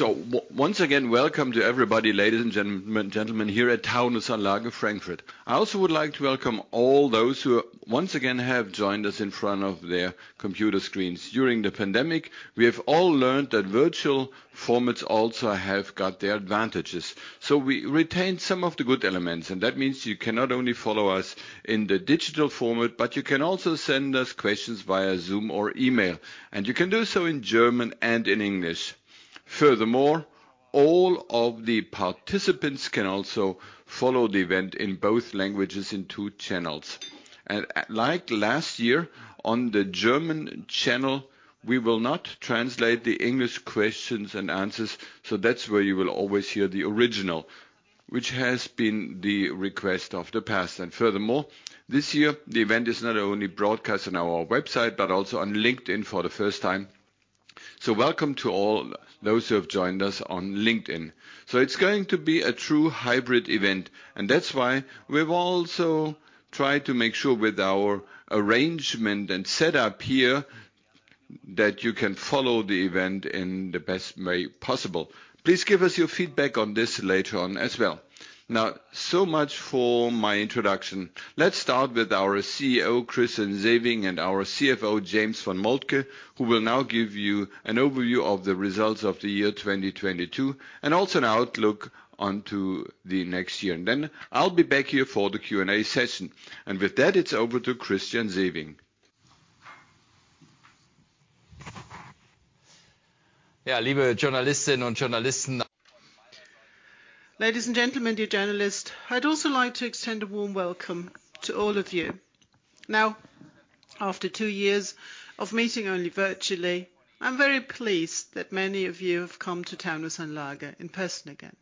Once again, welcome to everybody, ladies and gentlemen, here at Taunusanlage, Frankfurt. I also would like to welcome all those who once again have joined us in front of their computer screens. During the pandemic, we have all learned that virtual formats also have got their advantages. We retained some of the good elements, and that means you can not only follow us in the digital format, but you can also send us questions via Zoom or email, and you can do so in German and in English. Furthermore, all of the participants can also follow the event in both languages in two channels. Like last year, on the German channel, we will not translate the English questions and answers, so that's where you will always hear the original, which has been the request of the past. Furthermore, this year, the event is not only broadcast on our website, but also on LinkedIn for the first time. Welcome to all those who have joined us on LinkedIn. It's going to be a true hybrid event, and that's why we've also tried to make sure with our arrangement and setup here that you can follow the event in the best way possible. Please give us your feedback on this later on as well. Now, so much for my introduction. Let's start with our CEO, Christian Sewing, and our CFO, James von Moltke, who will now give you an overview of the results of the year 2022 and also an outlook onto the next year. Then I'll be back here for the Q&A session. With that, it's over to Christian Sewing. Yeah. Ladies and gentlemen, dear journalists, I'd also like to extend a warm welcome to all of you. After 2 years of meeting only virtually, I'm very pleased that many of you have come to Taunusanlage in person again.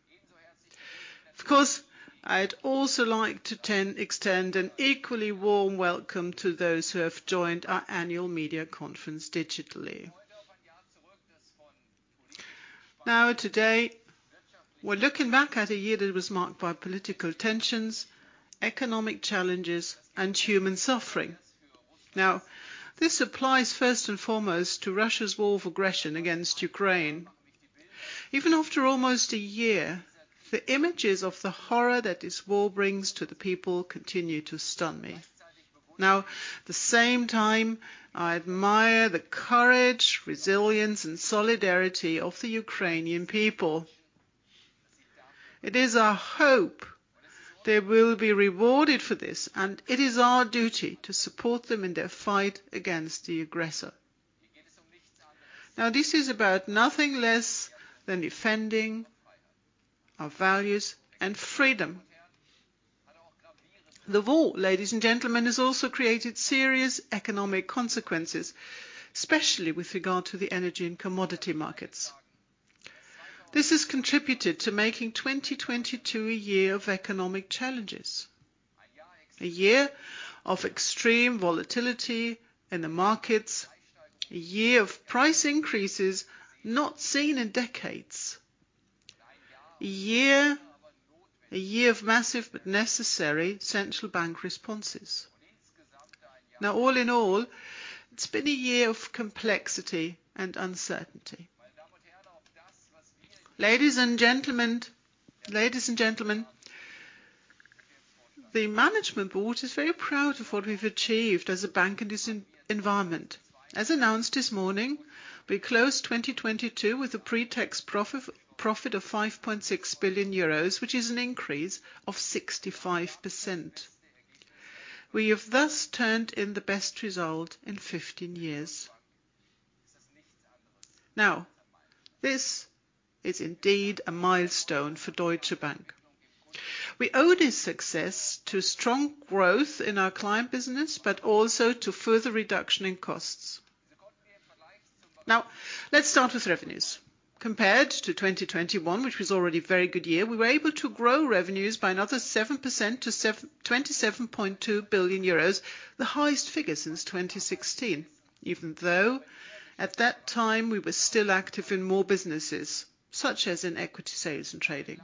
Of course, I'd also like to extend an equally warm welcome to those who have joined our annual media conference digitally. Today, we're looking back at a year that was marked by political tensions, economic challenges, and human suffering. This applies first and foremost to Russia's war of aggression against Ukraine. Even after almost 1 year, the images of the horror that this war brings to the people continue to stun me. At the same time, I admire the courage, resilience, and solidarity of the Ukrainian people. It is our hope they will be rewarded for this, and it is our duty to support them in their fight against the aggressor. This is about nothing less than defending our values and freedom. The war, ladies and gentlemen, has also created serious economic consequences, especially with regard to the energy and commodity markets. This has contributed to making 2022 a year of economic challenges, a year of extreme volatility in the markets, a year of price increases not seen in decades. A year of massive but necessary central bank responses. All in all, it's been a year of complexity and uncertainty. Ladies and gentlemen, the management board is very proud of what we've achieved as a bank in this environment. As announced this morning, we closed 2022 with a pre-tax profit of 5.6 billion euros, which is an increase of 65%. We have thus turned in the best result in 15 years. This is indeed a milestone for Deutsche Bank. We owe this success to strong growth in our client business, but also to further reduction in costs. Let's start with revenues. Compared to 2021, which was already a very good year, we were able to grow revenues by another 7% to 27.2 billion euros, the highest figure since 2016, even though at that time, we were still active in more businesses, such as in equity sales and trading.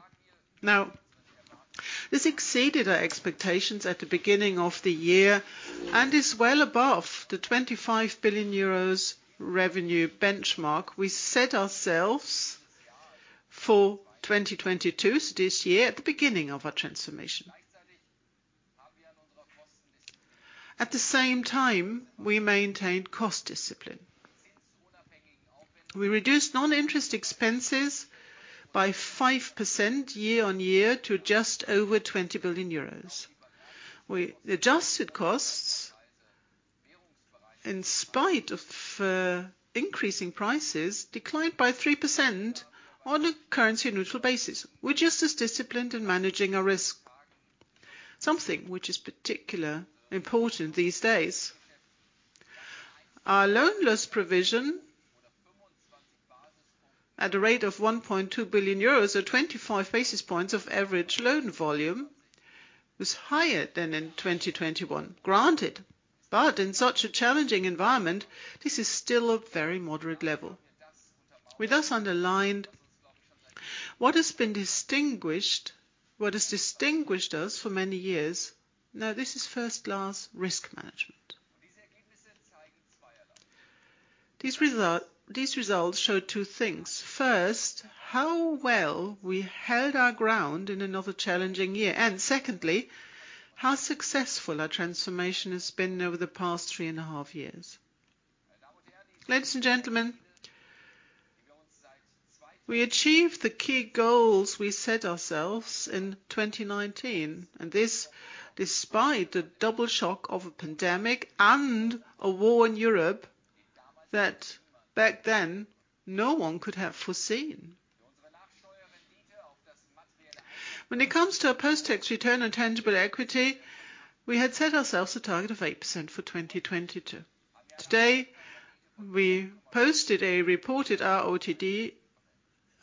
This exceeded our expectations at the beginning of the year and is well above the 25 billion euros revenue benchmark we set ourselves for 2022, at the beginning of our transformation. At the same time, we maintained cost discipline. We reduced non-interest expenses by 5% year-on-year to just over 20 billion euros. We adjusted costs in spite of increasing prices, which declined by 3% on a currency-neutral basis. We're just as disciplined in managing our risk, something which is particularly important these days. Our loan loss provision at a rate of 1.2 billion euros, or 25 basis points of average loan volume, was higher than in 2021. Granted, in such a challenging environment, this is still a very moderate level. We thus underlined what has distinguished us for many years. This is first-class risk management. These results show two things. First, how well we held our ground in another challenging year. Secondly, how successful our transformation has been over the past three and a half years. Ladies and gentlemen, we achieved the key goals we set ourselves in 2019, despite the double shock of a pandemic and a war in Europe that back then no one could have foreseen. When it comes to our post-tax return on tangible equity, we had set ourselves a target of 8% for 2022. Today, we posted a reported ROTE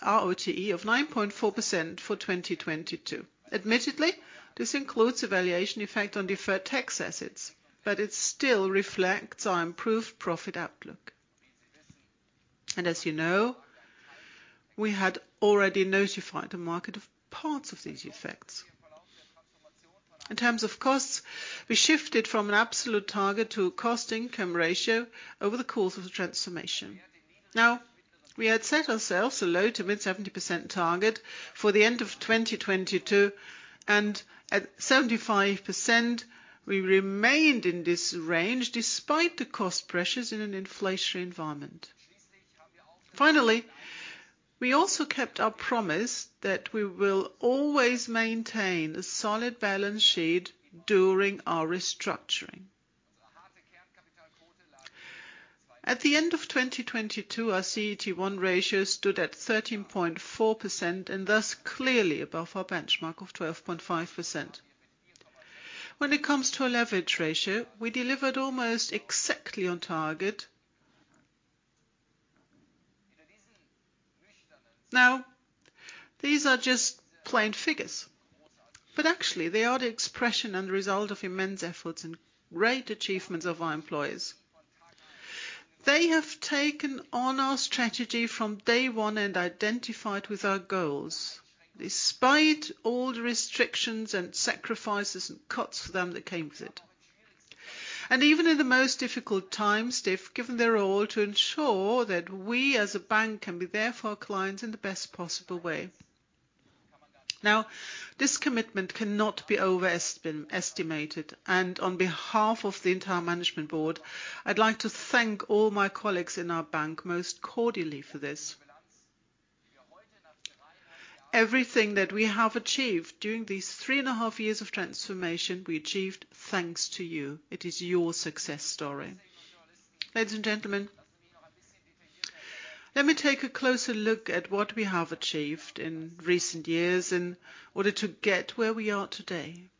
of 9.4% for 2022. Admittedly, this includes a valuation effect on deferred tax assets, but it still reflects our improved profit outlook. As you know, we had already notified the market of parts of these effects. In terms of costs, we shifted from an absolute target to a cost-income ratio over the course of the transformation. We had set ourselves a low to mid-70% target for the end of 2022. At 75%, we remained in this range despite the cost pressures in an inflationary environment. Finally, we also kept our promise that we will always maintain a solid balance sheet during our restructuring. At the end of 2022, our CET1 ratio stood at 13.4%, thus clearly above our benchmark of 12.5%. When it comes to our leverage ratio, we delivered almost exactly on target. These are just plain figures, but actually they are the expression and result of immense efforts and great achievements of our employees. They have taken on our strategy from day one and identified with our goals, despite all the restrictions and sacrifices and cuts for them that came with it. Even in the most difficult times, they've given their all to ensure that we as a bank can be there for our clients in the best possible way. This commitment cannot be overestimated, and on behalf of the entire management board, I'd like to thank all my colleagues in our bank most cordially for this. Everything that we have achieved during these three and a half years of transformation, we achieved thanks to you. It is your success story. Ladies and gentlemen, let me take a closer look at what we have achieved in recent years in order to get where we are today.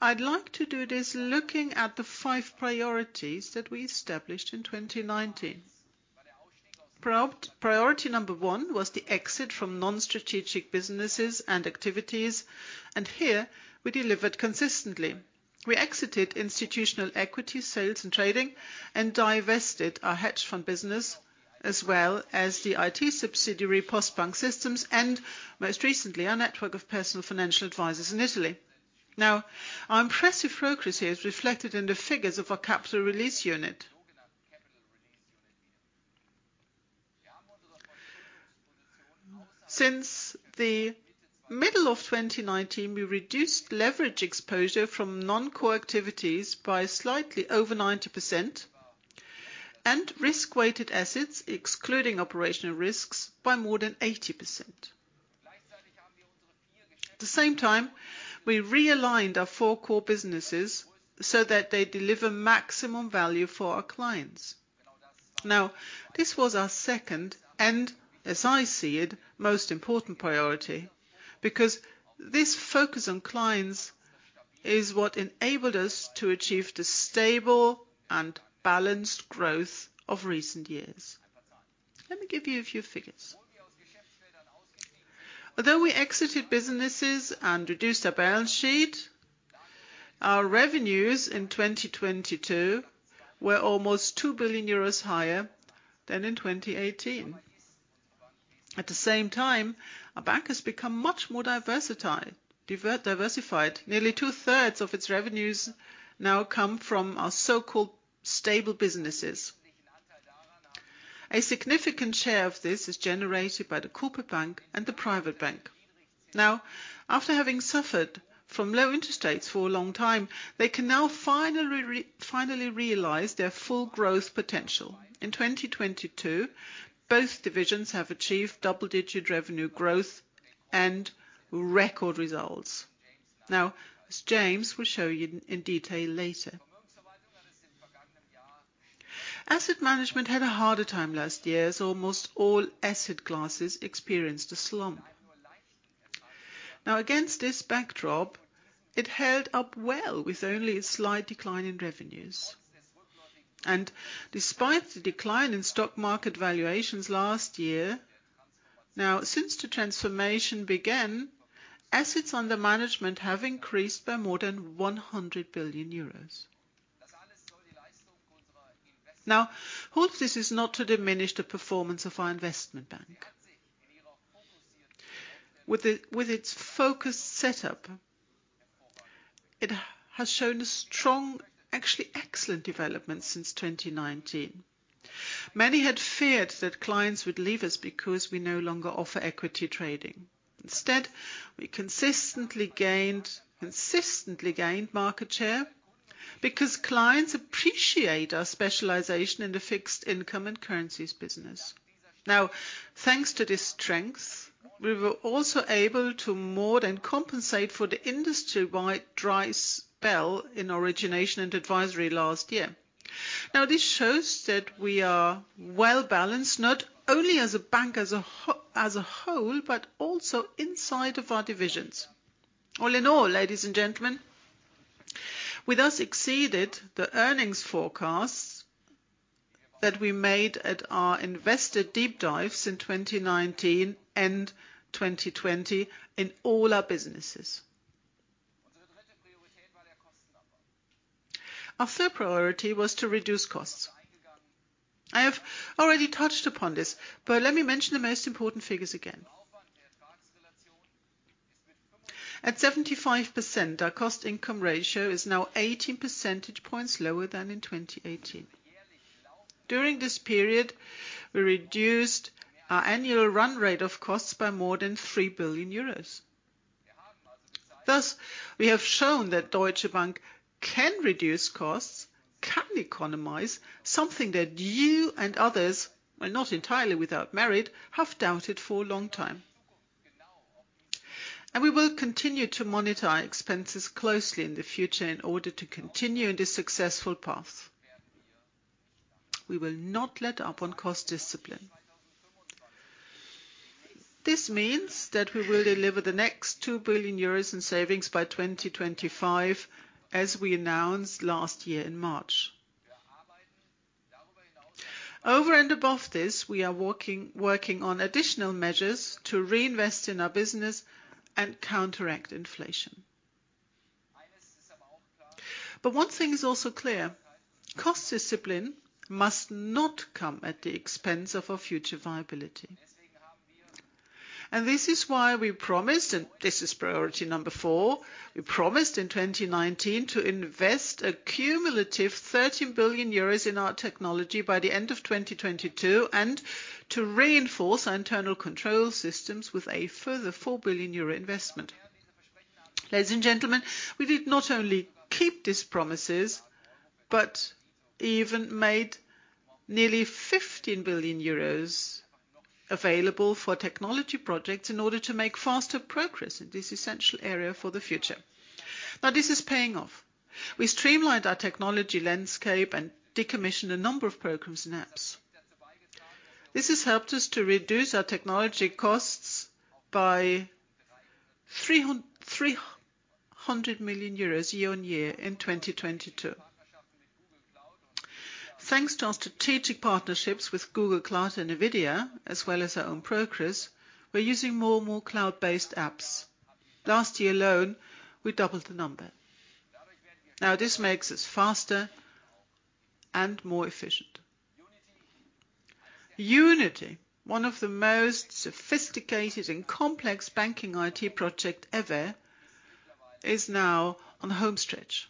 I'd like to do this looking at the five priorities that we established in 2019. Priority number one was the exit from non-strategic businesses and activities. Here we delivered consistently. We exited institutional equity sales and trading and divested our hedge fund business, as well as the IT subsidiary Postbank Systems and most recently, our network of personal financial advisors in Italy. Our impressive progress here is reflected in the figures of our Capital Release Unit. Since the middle of 2019, we reduced leverage exposure from non-core activities by slightly over 90% and risk-weighted assets, excluding operational risks, by more than 80%. At the same time, we realigned our four core businesses so that they deliver maximum value for our clients. This was our second, and as I see it, most important priority, because this focus on clients is what enabled us to achieve the stable and balanced growth of recent years. Let me give you a few figures. Although we exited certain businesses and reduced our balance sheet, our revenues in 2022 were nearly 2 billion euros higher than in 2018. At the same time, the bank has become significantly more diversified. Nearly two-thirds of our revenues now come from our stable businesses, a large share of which is generated by the Corporate Bank and the Private Bank. After years of low interest rates, these divisions can finally realize their full growth potential. In 2022, both achieved double-digit revenue growth and record results. Asset Management faced a tougher environment, with most asset classes experiencing a decline, yet it still performed resiliently. Despite last year’s decline in stock market valuations, assets under management have grown by over EUR 100 billion since the start of our transformation. This does not diminish the performance of our Investment Bank, which has developed strongly and consistently since 2019. Some feared clients would leave after we exited equity trading, but instead, we gained market share due to our focus on Fixed Income and Currencies. This strength allowed us to offset industry-wide declines in origination and advisory, demonstrating that our divisions are well-balanced and robust. Overall, we exceeded the earnings forecasts presented at our 2019 and 2020 investor deep dives across all businesses. Our third priority was cost reduction. At 75%, our cost-income ratio is now 18 percentage points lower than in 2018. During this period, we cut our annual run rate of costs by over 3 billion euros. This proves that Deutsche Bank can reduce costs efficiently while maintaining quality. We will continue to monitor expenses closely to sustain this positive trajectory and will not compromise on cost discipline. We aim to achieve the next 2 billion euros in savings by 2025, as announced last March. Beyond this, we are implementing additional measures to reinvest in the business and counteract inflation. Cost discipline must never jeopardize our future viability. Therefore, as part of our fourth priority, we committed in 2019 to invest a cumulative 13 billion euros in technology by the end of 2022 and an additional EUR 4 billion to reinforce internal control systems. Not only did we meet these targets, but we also made nearly 15 billion euros available for technology projects, accelerating progress in this critical area. We streamlined our technology landscape and decommissioned several programs and apps, reducing technology costs by EUR 300 million year-on-year in 2022. Thanks to strategic partnerships with Google Cloud and NVIDIA, as well as our own efforts, we increasingly leverage cloud-based applications. Last year alone, we doubled their number, enhancing speed and efficiency. Unity, one of our most complex IT projects, is now in its final phase.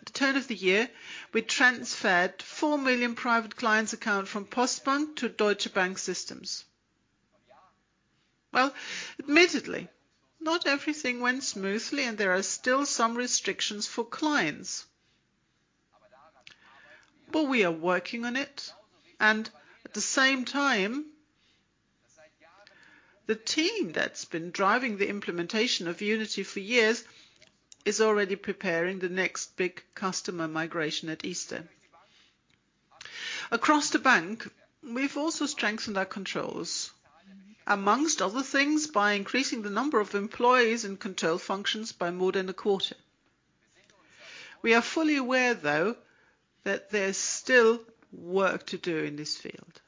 At the turn of the year, we migrated 4 million private client accounts from Postbank to Deutsche Bank systems. While not everything went perfectly, progress continues. Our team is preparing the next major customer migration at Easter. Across the bank, we have strengthened controls, increasing staff in control functions by more than a quarter. We recognize that work remains, but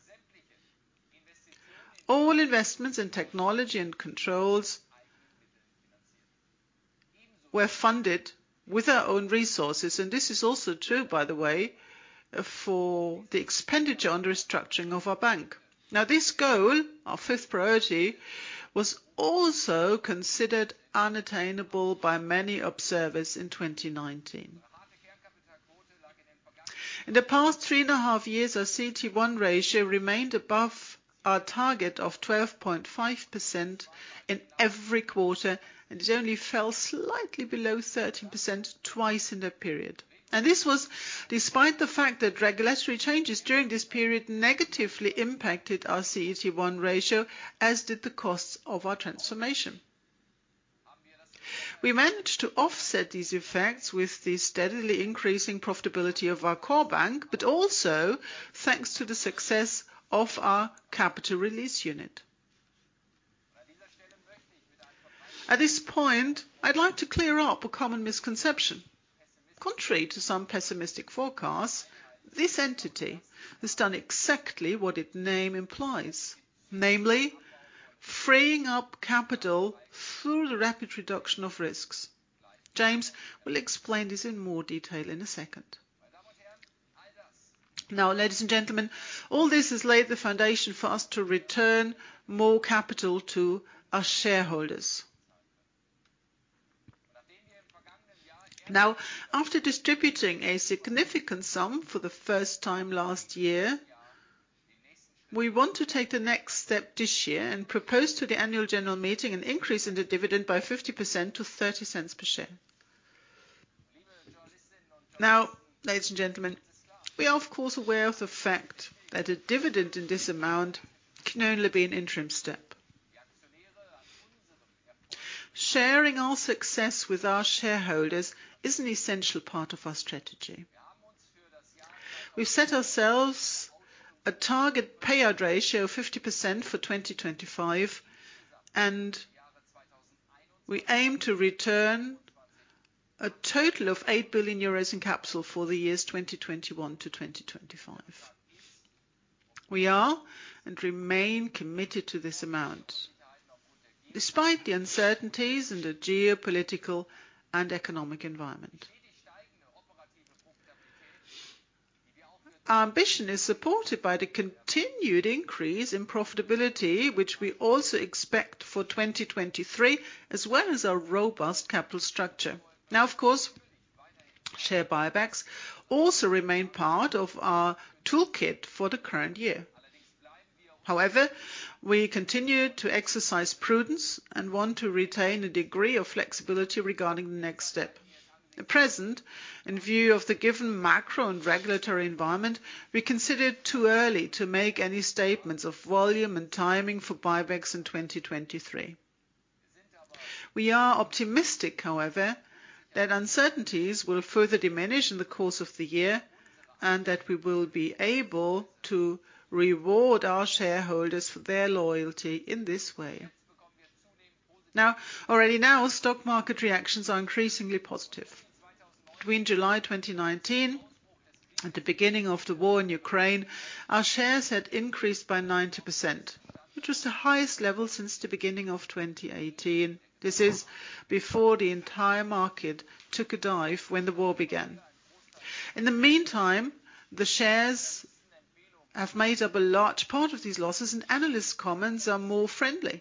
all investments in technology and controls were funded internally. This also applies to expenditures for restructuring the bank. Our fifth priority, considered unattainable by some in 2019, has been successfully achieved. Over the past three and a half years, our CET1 ratio remained above 12.5% every quarter, dipping below 13% only twice, despite regulatory changes and transformation costs. We offset these effects with increasing profitability in our core bank, aided by the success of the Capital Release Unit. Contrary to some pessimistic forecasts, this unit delivered exactly what its name implies: freeing up capital through rapid risk reduction. James will provide further details shortly. This solid foundation now allows us to return more capital to shareholders. After distributing a significant sum for the first time last year, we propose increasing the dividend by 50% to EUR 0.30 per share at this year’s annual general meeting. While this is an interim step, sharing our success with shareholders is central to our strategy. We aim for a 50% payout ratio by 2025, targeting a total capital return of EUR 8 billion for 2021–2025. We remain committed to this target despite geopolitical and economic uncertainties.e aim to return a total of 8 billion euros in capital for the years 2021 to 2025. We are and remain committed to this amount, despite the uncertainties in the geopolitical and economic environment. Our ambition is supported by continued profitability growth, which we also expect in 2023, and a robust capital structure. Share buybacks remain part of our toolkit for this year, but we exercise prudence and retain flexibility. Considering the current macroeconomic and regulatory environment, it is too early to provide specific volume or timing for buybacks. We are optimistic that uncertainties will diminish over the year, allowing us to reward shareholder loyalty. Already, market reactions are increasingly positive.ry environment, we consider it too early to make any statements of volume and timing for buybacks in 2023. We are optimistic, however, that uncertainties will further diminish in the course of the year and that we will be able to reward our shareholders for their loyalty in this way. Now, already now, stock market reactions are increasingly positive. Between July 2019 and the start of the war in Ukraine, our shares rose by 90%, reaching levels not seen since early 2018. When the market declined due to the war, our shares have since recovered significantly. Analysts’ opinions are more favorable,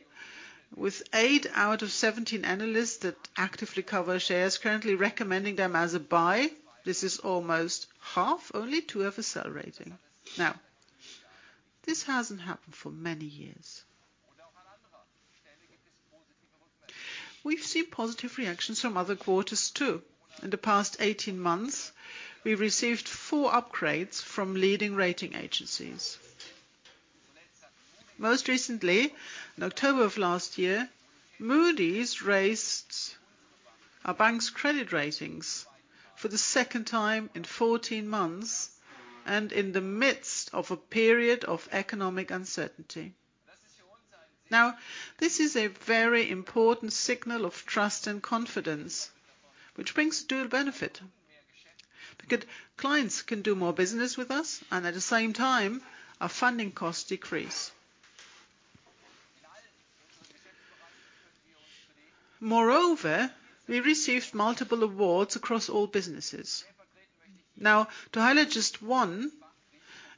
with 8 of 17 actively covering recommending a buy, nearly half. Only 2 recommend a sell. Over the past 18 months, we received four upgrades from leading rating agencies, most recently in October when Moody’s raised our credit ratings for the second time in 14 months, despite ongoing economic uncertainty. Now, this is a very important signal of trust and confidence. It brings a dual benefit: clients can do more business with us, and at the same time our funding costs decrease. We also received multiple awards across all businesses. To highlight one: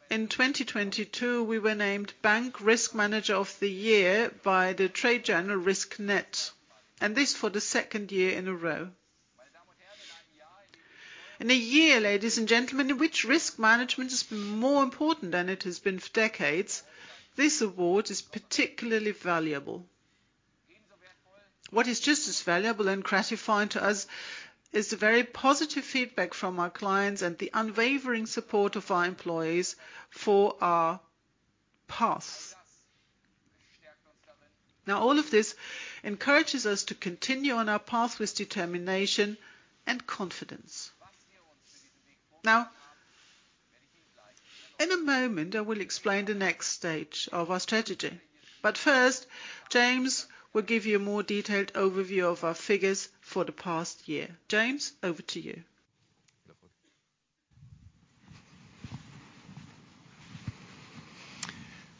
in 2022, we were named Bank Risk Manager of the Year by Risk.net for the second year in a row. In a year when risk management is more important than in decades, this award is particularly valuable. Equally gratifying is the positive feedback from clients and the unwavering support of our employees. All of this encourages us to continue on our path with determination and confidence. In a moment, I will explain the next stage of our strategy. First, James will give a detailed overview of our figures for the past year. James, over to you.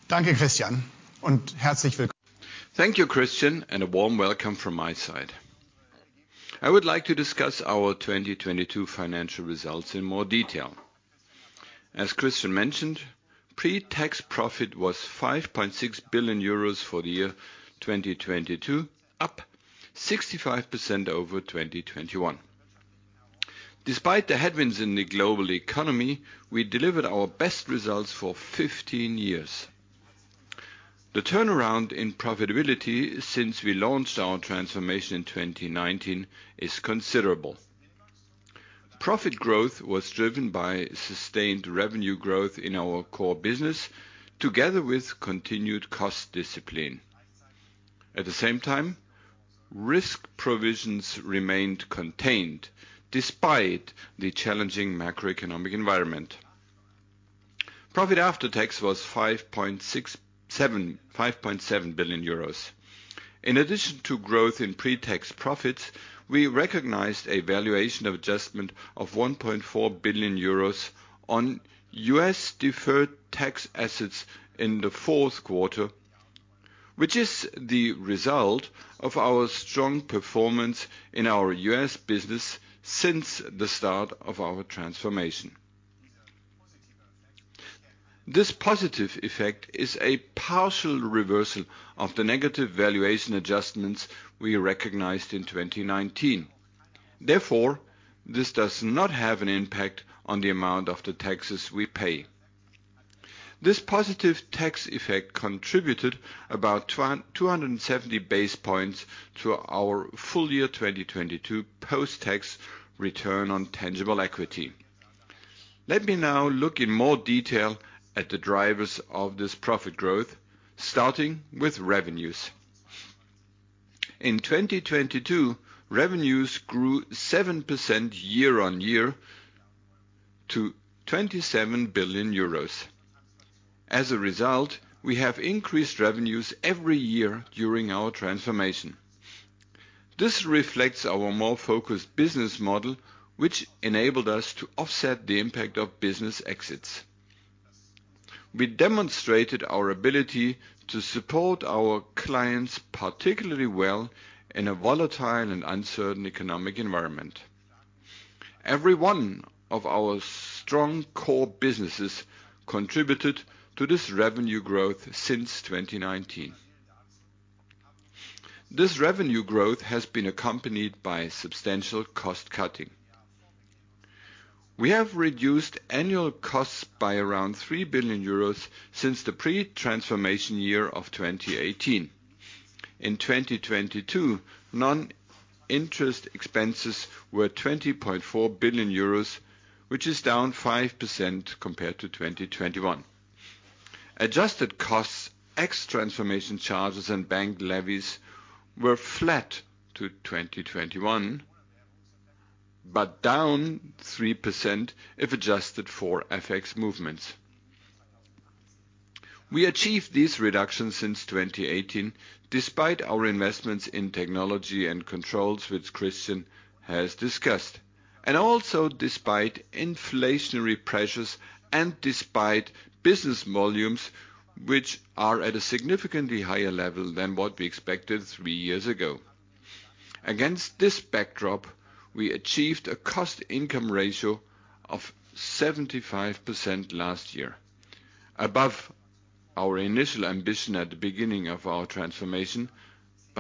Thank you, Christian. A warm welcome from my side. I would like to discuss our 2022 financial results in more detail. As Christian mentioned, pre-tax profit was 5.6 billion euros, up 65% over 2021. Despite headwinds in the global economy, we delivered our best results in 15 years. The turnaround in profitability since our 2019 transformation launch is considerable. Profit growth was driven by sustained revenue growth in our core business and continued cost discipline. Risk provisions remained contained despite the challenging macroeconomic environment. Profit after tax was 5.7 billion euros. In addition to growth in pre-tax profits, we recognized a valuation adjustment of 1.4 billion euros on U.S. deferred tax assets in Q4, reflecting our strong U.S. business performance since our transformation began. This partially reverses negative valuation adjustments recognized in 2019. It does not affect taxes payable. This positive tax effect contributed about 270 basis points to our 2022 post-tax return on tangible equity. Let’s now look in more detail at profit drivers, starting with revenues. In 2022, revenues grew 7% year-on-year to EUR 27 billion, marking annual revenue growth throughout our transformation. This reflects our more focused business model, which offset the impact of business exits. We demonstrated strong client support in a volatile and uncertain economic environment. Every core business contributed to this revenue growth since 2019. This growth accompanied substantial cost cutting: annual costs reduced by around 3 billion euros since 2018. In 2022, non-interest expenses were EUR 20.4 billion, down 5% versus 2021. Adjusted costs, excluding transformation charges and bank levies, were flat to 2021, but down 3% if adjusted for FX movements. We achieved these reductions despite investments in technology and controls, inflationary pressures, and higher-than-expected business volumes. Against this backdrop, the cost-income ratio was 75% in 2022, above our initial ambition at the start of our transformation.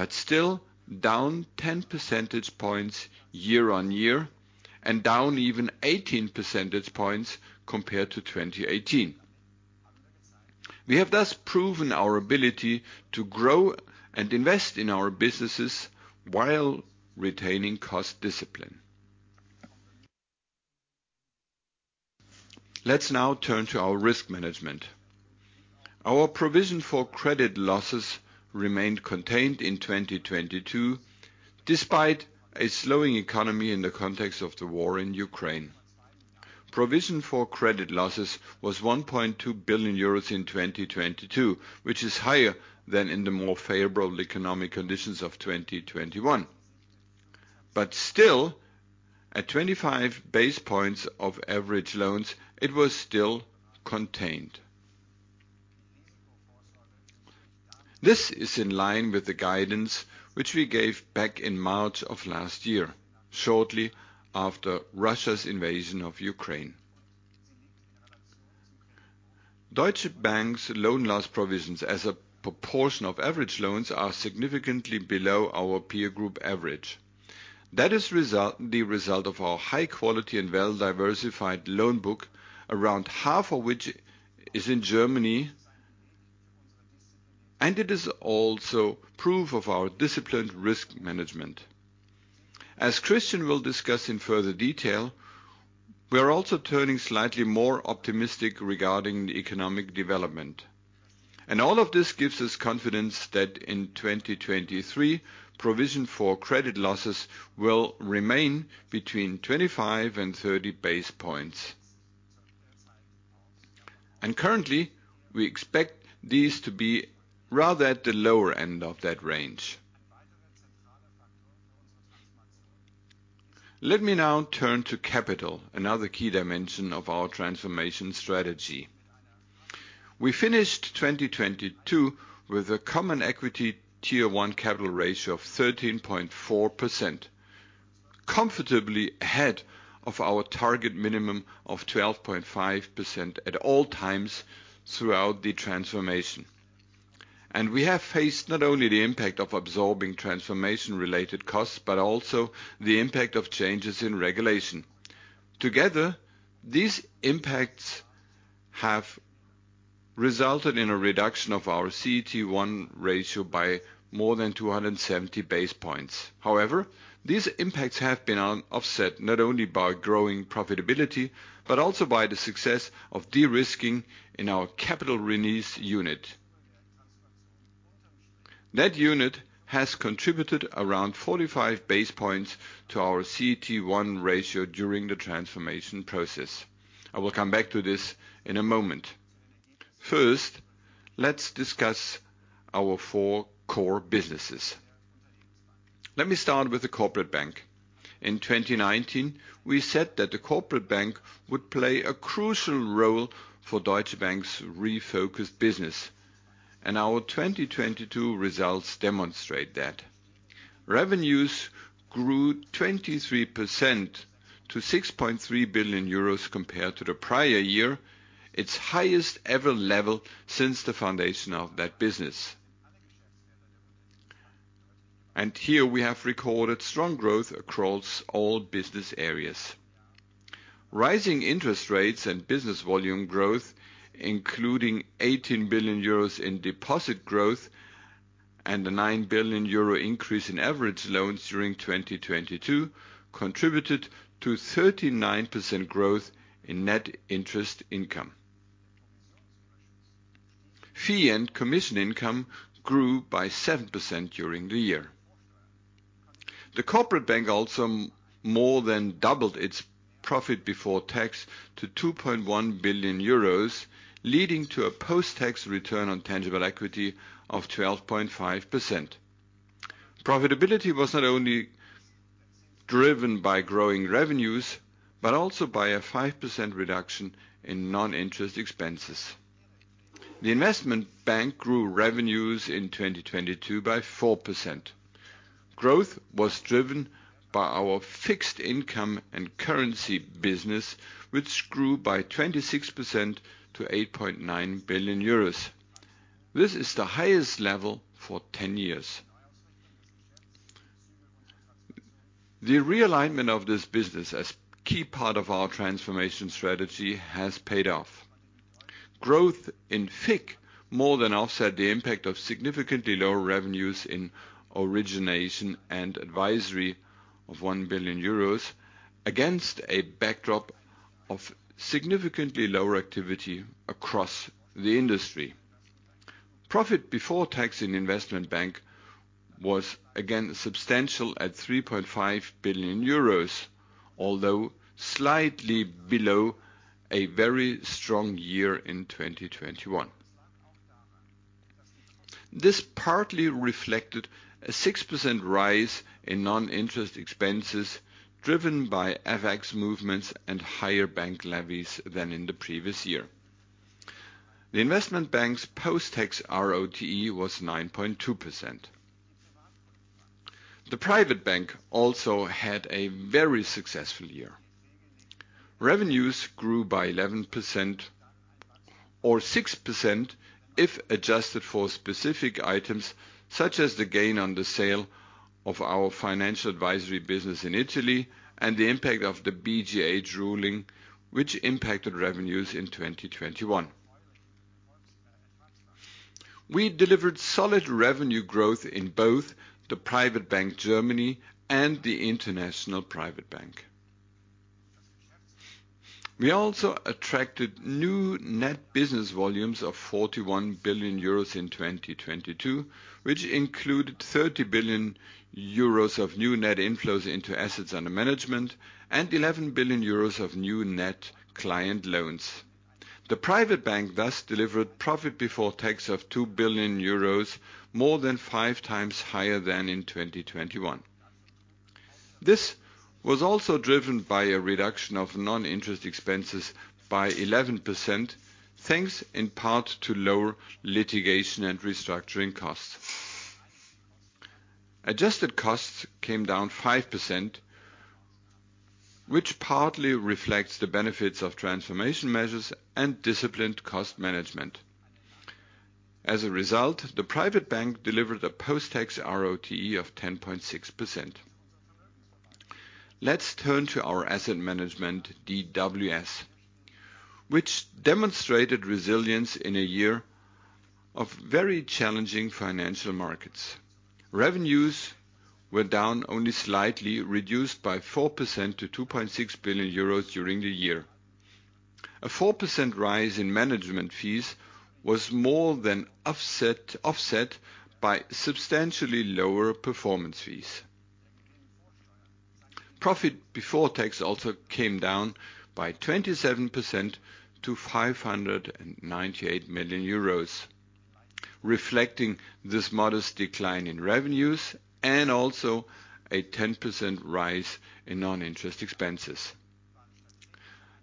Still, this is down 10 percentage points year-on-year and 18 percentage points versus 2018. This proves our ability to grow and invest while maintaining cost discipline. Turning to risk management: our provision for credit losses remained contained in 2022, despite the slowing economy amid the war in Ukraine.. Provision for credit losses was 1.2 billion euros in 2022, higher than 2021’s favorable conditions. Still, at 25 basis points of average loans, it remained contained. This aligns with guidance given in March 2022, shortly after Russia’s invasion of Ukraine. Deutsche Bank’s loan loss provisions relative to average loans are well below peer group averages, reflecting our high-quality, diversified loan book, about half of which is in Germany. It also demonstrates disciplined risk management. As Christian will elaborate, we are slightly more optimistic about economic development. In 2023, provisions are expected to remain between 25 and 30 basis points. Currently, we expect provisions to be at the lower end of that range. Let’s now discuss capital, another key dimension of our transformation. We finished 2022 with a CET1 ratio of 13.4%, comfortably above our minimum target of 12.5% throughout the transformation. We faced impacts from transformation-related costs and regulatory changes, reducing CET1 by over 270 basis points. These were offset by growing profitability and success in the Capital Release Unit, which contributed around 45 basis points to CET1 during the transformation. I will return to this shortly. First, our four core businesses. Starting with the corporate bank: in 2019, we said it would play a crucial role in Deutsche Bank’s refocused business. Our 2022 results demonstrate that. Revenues grew 23% to 6.3 billion euros, the highest ever for the corporate bank. We recorded strong growth across all business areas. Rising interest rates and business volume growth, including 18 billion euros in deposit growth and 9 billion euro increase in average loans during 2022, contributed to 39% growth in net interest income. Fee and commission income grew 7% during the year.nd a 9 billion euro increase in average loans during 2022, contributed to 39% growth in net interest income. Fee and commission income grew by 7% during the year. The corporate bank more than doubled its profit before tax to 2.1 billion euros, resulting in a post-tax ROTE of 12.5%. Profitability was driven not only by revenue growth but also by a 5% reduction in non-interest expenses. The investment bank grew revenues by 4% in 2022, driven by our fixed income and currencies business, which increased 26% to 8.9 billion euros—the highest level in 10 years. The realignment of this business as a key part of our transformation strategy paid off. Growth in FIC more than offset lower revenues in origination and advisory, which fell by EUR 1 billion amid a significantly lower industry-wide activity. Profit before tax in the investment bank remained substantial at 3.5 billion euros, slightly below the very strong 2021 results. This partly reflected a 6% rise in non-interest expenses due to FX movements and higher bank levies. The investment bank’s post-tax ROTE was 9.2%. The private bank also had a strong year. Revenues grew 11%, or 6% adjusted for specific items such as the gain on the sale of our financial advisory business in Italy and the impact of the BGH ruling in 2021. We delivered solid revenue growth in both the private bank Germany and the international private bank. We attracted EUR 41 billion in new net business volumes in 2022, including EUR 30 billion in assets under management and 11 billion euros in new client loans. The private bank delivered profit before tax of 2 billion euros—more than five times the 2021 figure—driven partly by an 11% reduction in non-interest expenses, reflecting lower litigation and restructuring costs. Adjusted costs decreased 5%, highlighting the benefits of transformation measures and disciplined cost management. Asset management, DWS, demonstrated resilience amid challenging markets. Revenues declined only 4% to 2.6 billion, while a 4% rise in management fees was offset by lower performance fees. Profit before tax fell 27% to EUR 598 million due to slightly lower revenues and a 10% increase in non-interest expenses from strategic hirings, technology investments, and normalization of certain non-compensation costs. A 4% rise in management fees was more than offset by substantially lower performance fees. Profit before tax also came down by 27% to 598 million euros, reflecting this modest decline in revenues and also a 10% rise in non-interest expenses.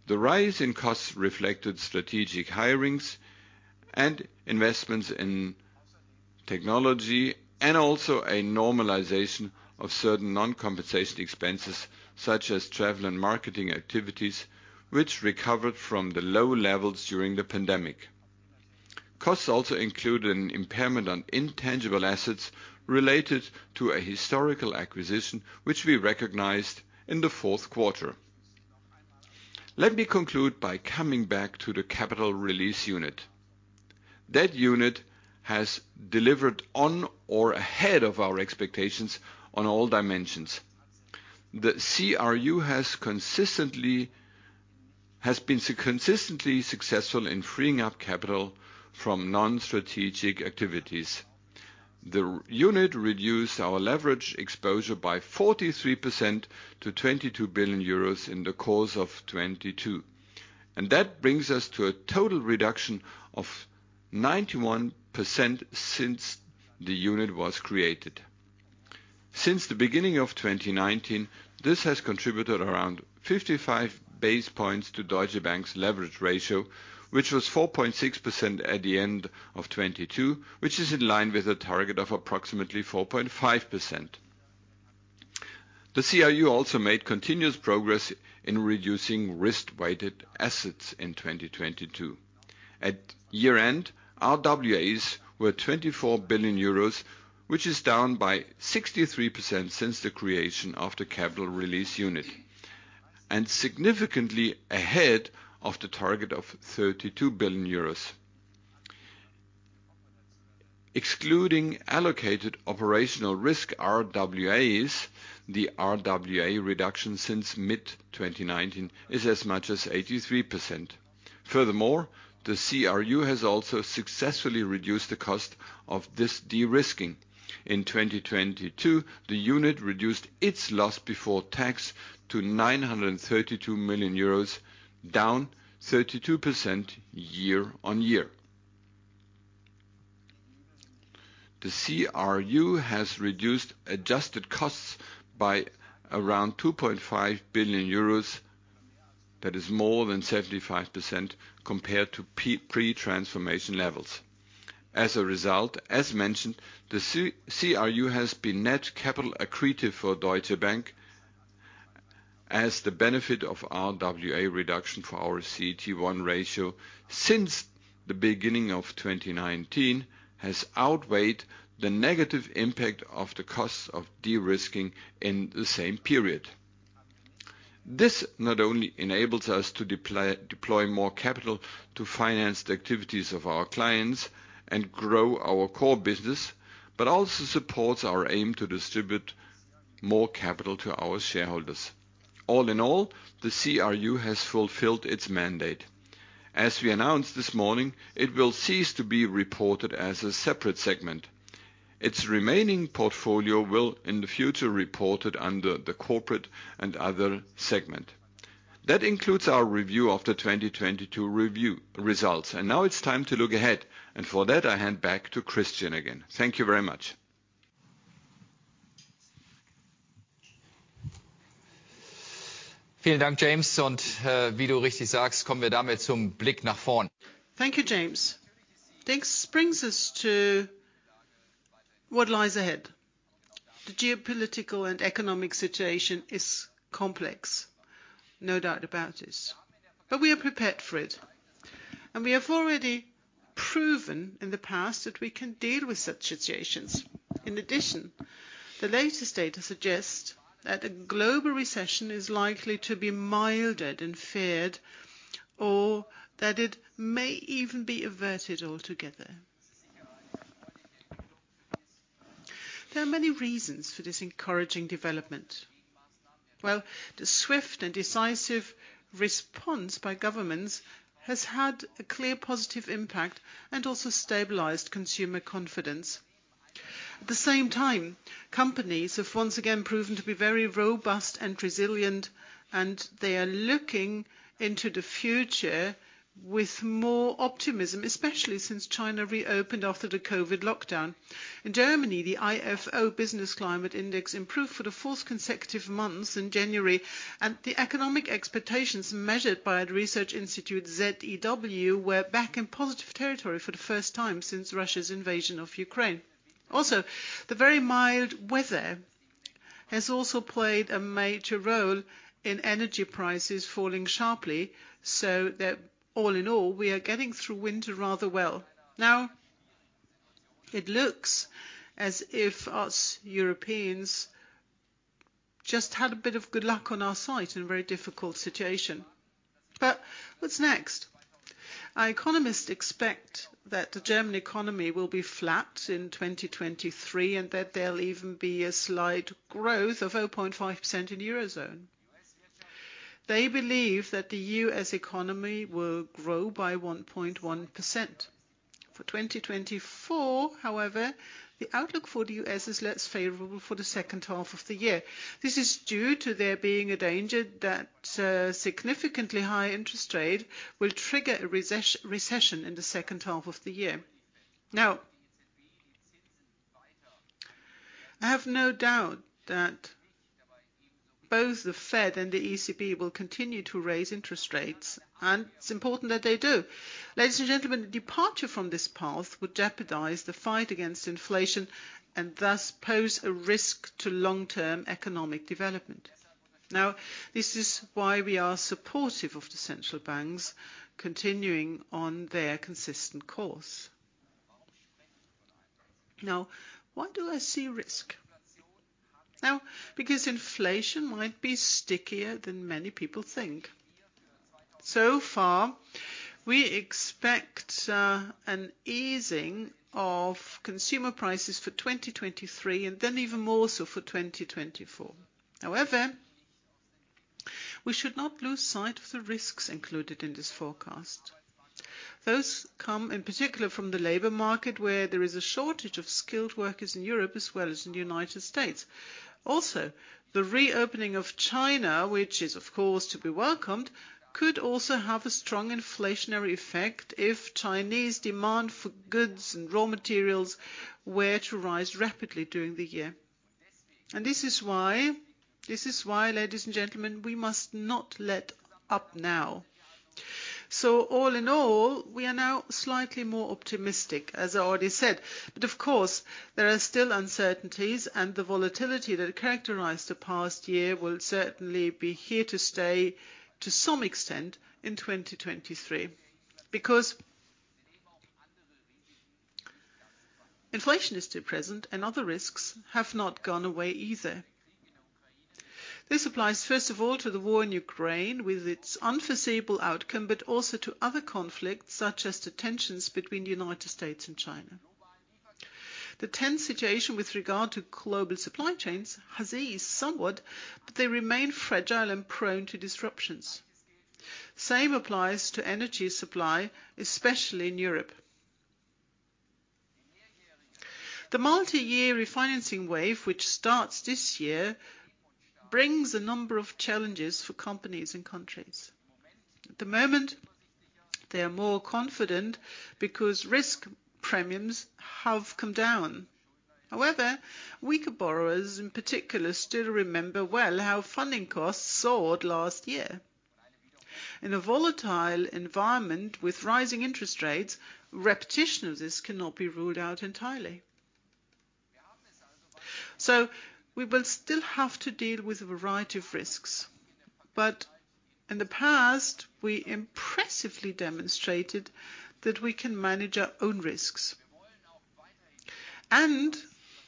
The rise in costs reflected strategic hirings and investments in technology and also a normalization of certain non-compensation expenses such as travel and marketing activities, which recovered from the low levels during the pandemic. Costs also include an impairment on intangible assets related to a historical acquisition, which we recognized in the fourth quarter. Let me conclude by coming back to the Capital Release Unit. That unit has delivered on or ahead of our expectations on all dimensions. The CRU has been consistently successful in freeing up capital from non-strategic activities. The Capital Release Unit performed in line with or ahead of expectations. In 2022, leverage exposure was reduced by 43% to EUR 22 billion, a 91% reduction since the unit’s inception. Since 2019, this contributed around 55 basis points to Deutsche Bank’s leverage ratio, which was 4.6% at year-end 2022, close to our 4.5% target. The CRU also reduced risk-weighted assets (RWAs) by 63% to EUR 24 billion, ahead of the EUR 32 billion target. Excluding operational risk, the RWA reduction since mid-2019 was 83%. Loss before tax fell 32% to EUR 932 million, and adjusted costs dropped by around EUR 2.5 billion—more than 75% compared to pre-transformation levels. As a result, the CRU was net capital accretive, enabling more capital deployment for clients and shareholders. In 2022, the CRU reduced its loss before tax to 932 million euros, down 32% YoY. Adjusted costs fell by around 2.5 billion euros, over 75% compared to pre-transformation levels. As a result, the CRU has been net capital accretive for Deutsche Bank, as the RWA reduction’s benefit for CET1 since 2019 outweighed de-risking costs. This enables more capital deployment to client activities, core business growth, and shareholder distributions. All in all, the CRU has fulfilled its mandate. As announced, it will cease to be reported as a separate segment. Its remaining portfolio will be reported under the corporate and other segment. That concludes the 2022 review. Now, I hand back to Christian Sewing.uch. Thank you, James. This brings us to what lies ahead. The geopolitical and economic situation is complex, but we are prepared. We have proven in the past that we can handle such situations. Latest data suggests a global recession may be milder than feared, or even averted. Swift, decisive government action has positively impacted and stabilized consumer confidence. Companies have proven robust and resilient, looking to the future with optimism, especially since China reopened after the COVID lockdown. In Germany, the Ifo Business Climate Index improved for the fourth consecutive month in January, and ZEW economic expectations returned to positive territory for the first time since Russia’s invasion of Ukraine. Mild weather contributed to sharply falling energy prices, helping Europe navigate winter. Our economists expect German GDP to be flat in 2023, with slight 0.5% growth in the Eurozone, and 1.1% growth in the U.S. For 2024, however, the outlook for the U.S. is less favorable in the second half of the year. There is a risk that significantly high interest rates could trigger a recession during that period. I have no doubt that both the Fed and the ECB will continue to raise interest rates, and it is important that they do. Departure from this path would jeopardize the fight against inflation and pose a risk to long-term economic development. This is why we support the central banks maintaining a consistent course. The risk exists because inflation might be stickier than many anticipate. So far, we expect consumer prices to ease in 2023, and even more so in 2024. However, we should not lose sight of the risks underlying this forecast. These come particularly from the labor market, where skilled worker shortages exist in both Europe and the U.S. Additionally, China’s reopening, while welcome, could have a strong inflationary effect if demand for goods and raw materials rises rapidly. This is why we cannot afford to be complacent. Overall, we are slightly more optimistic, as I said, but uncertainties remain, and the volatility that marked the past year will continue to some extent in 2023. Inflation is still present, and other risks have not disappeared. This applies first of all to the war in Ukraine with its unpredictable outcome, but also to other conflicts, such as tensions between the U.S. and China. Global supply chains have eased somewhat but remain fragile and prone to disruption. The same applies to energy supply, especially in Europe. The multi-year refinancing wave starting this year presents challenges for companies and countries. Currently, risk premiums have declined, which has boosted confidence. However, weaker borrowers remember well how funding costs soared last year. In a volatile environment with rising interest rates, similar shocks cannot be entirely ruled out. We will need to manage a variety of risks, as we have demonstrated in the past. We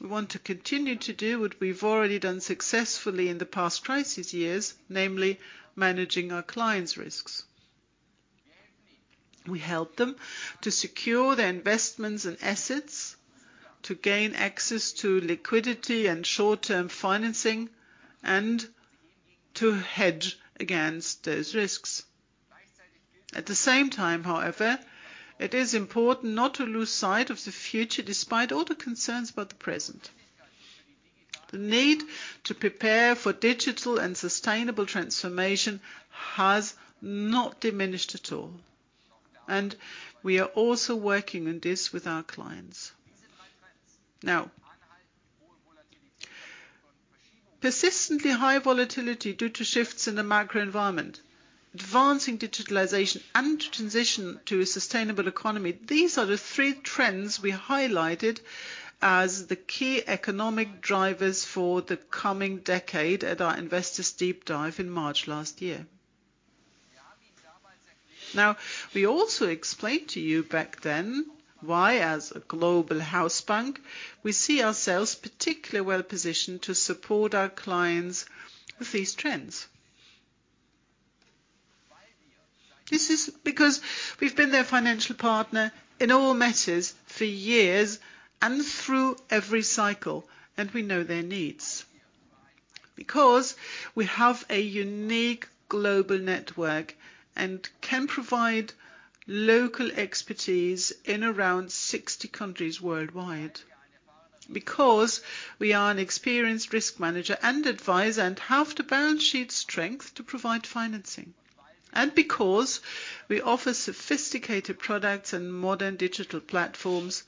want to continue what we have done successfully in previous crises: managing our clients’ risks. We help them secure investments and assets, access liquidity and short-term financing, and hedge against risks. At the same time, it is important not to lose sight of the future. Preparing for digital and sustainable transformation remains crucial, and we work on this together with our clients. Persistently high volatility due to macro shifts, advancing digitalization, and the transition to a sustainable economy—these were the three key economic trends highlighted at our investors deep dive in March last year. We also explained why, as a global house bank, we are well positioned to support our clients with these trends. We have been their financial partner for years, across every cycle, and understand their needs. Our unique global network provides local expertise in around 60 countries. We are experienced risk managers and advisors with the balance sheet strength to provide financing. We offer sophisticated products and modern digital platforms,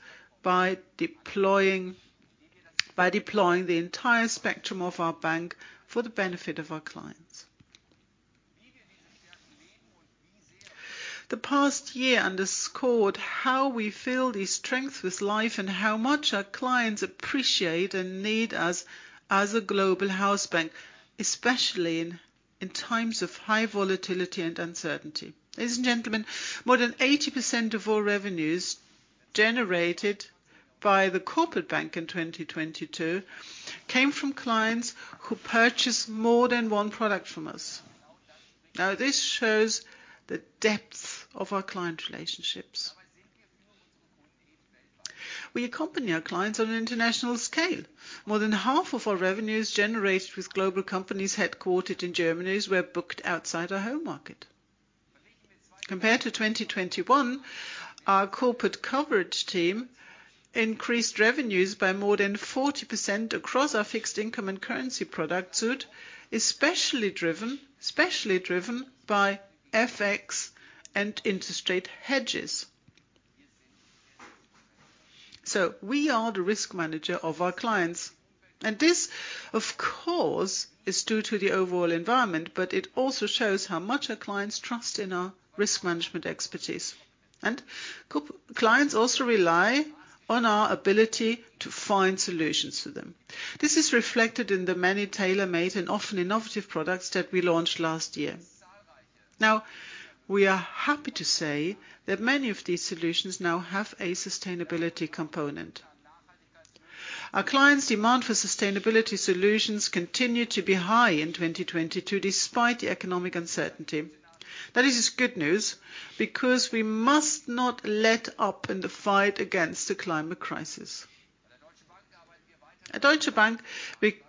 deploying the full spectrum of our bank to benefit our clients. Last year underscored how we bring these strengths to life, and how much our clients value us as a global house bank in times of volatility and uncertainty. In 2022, more than 80% of all revenues generated by the corporate bank came from clients purchasing more than one product. This demonstrates the depth of our client relationships. We serve clients internationally. Over half of revenues generated with global companies headquartered in Germany were booked outside our home market. Compared to 2021, our corporate coverage team increased revenues by more than 40% across fixed income and currency products, especially FX and interest rate hedges. We are the risk managers for our clients. This reflects both the market environment and the trust our clients place in our expertise. This is evident in the many tailor-made and often innovative products launched last year. Many of these solutions now include a sustainability component. Clients’ demand for sustainability solutions remained high in 2022 despite economic uncertainty. This is positive news, as we must not relent in the fight against the climate crisis. At Deutsche Bank, we continue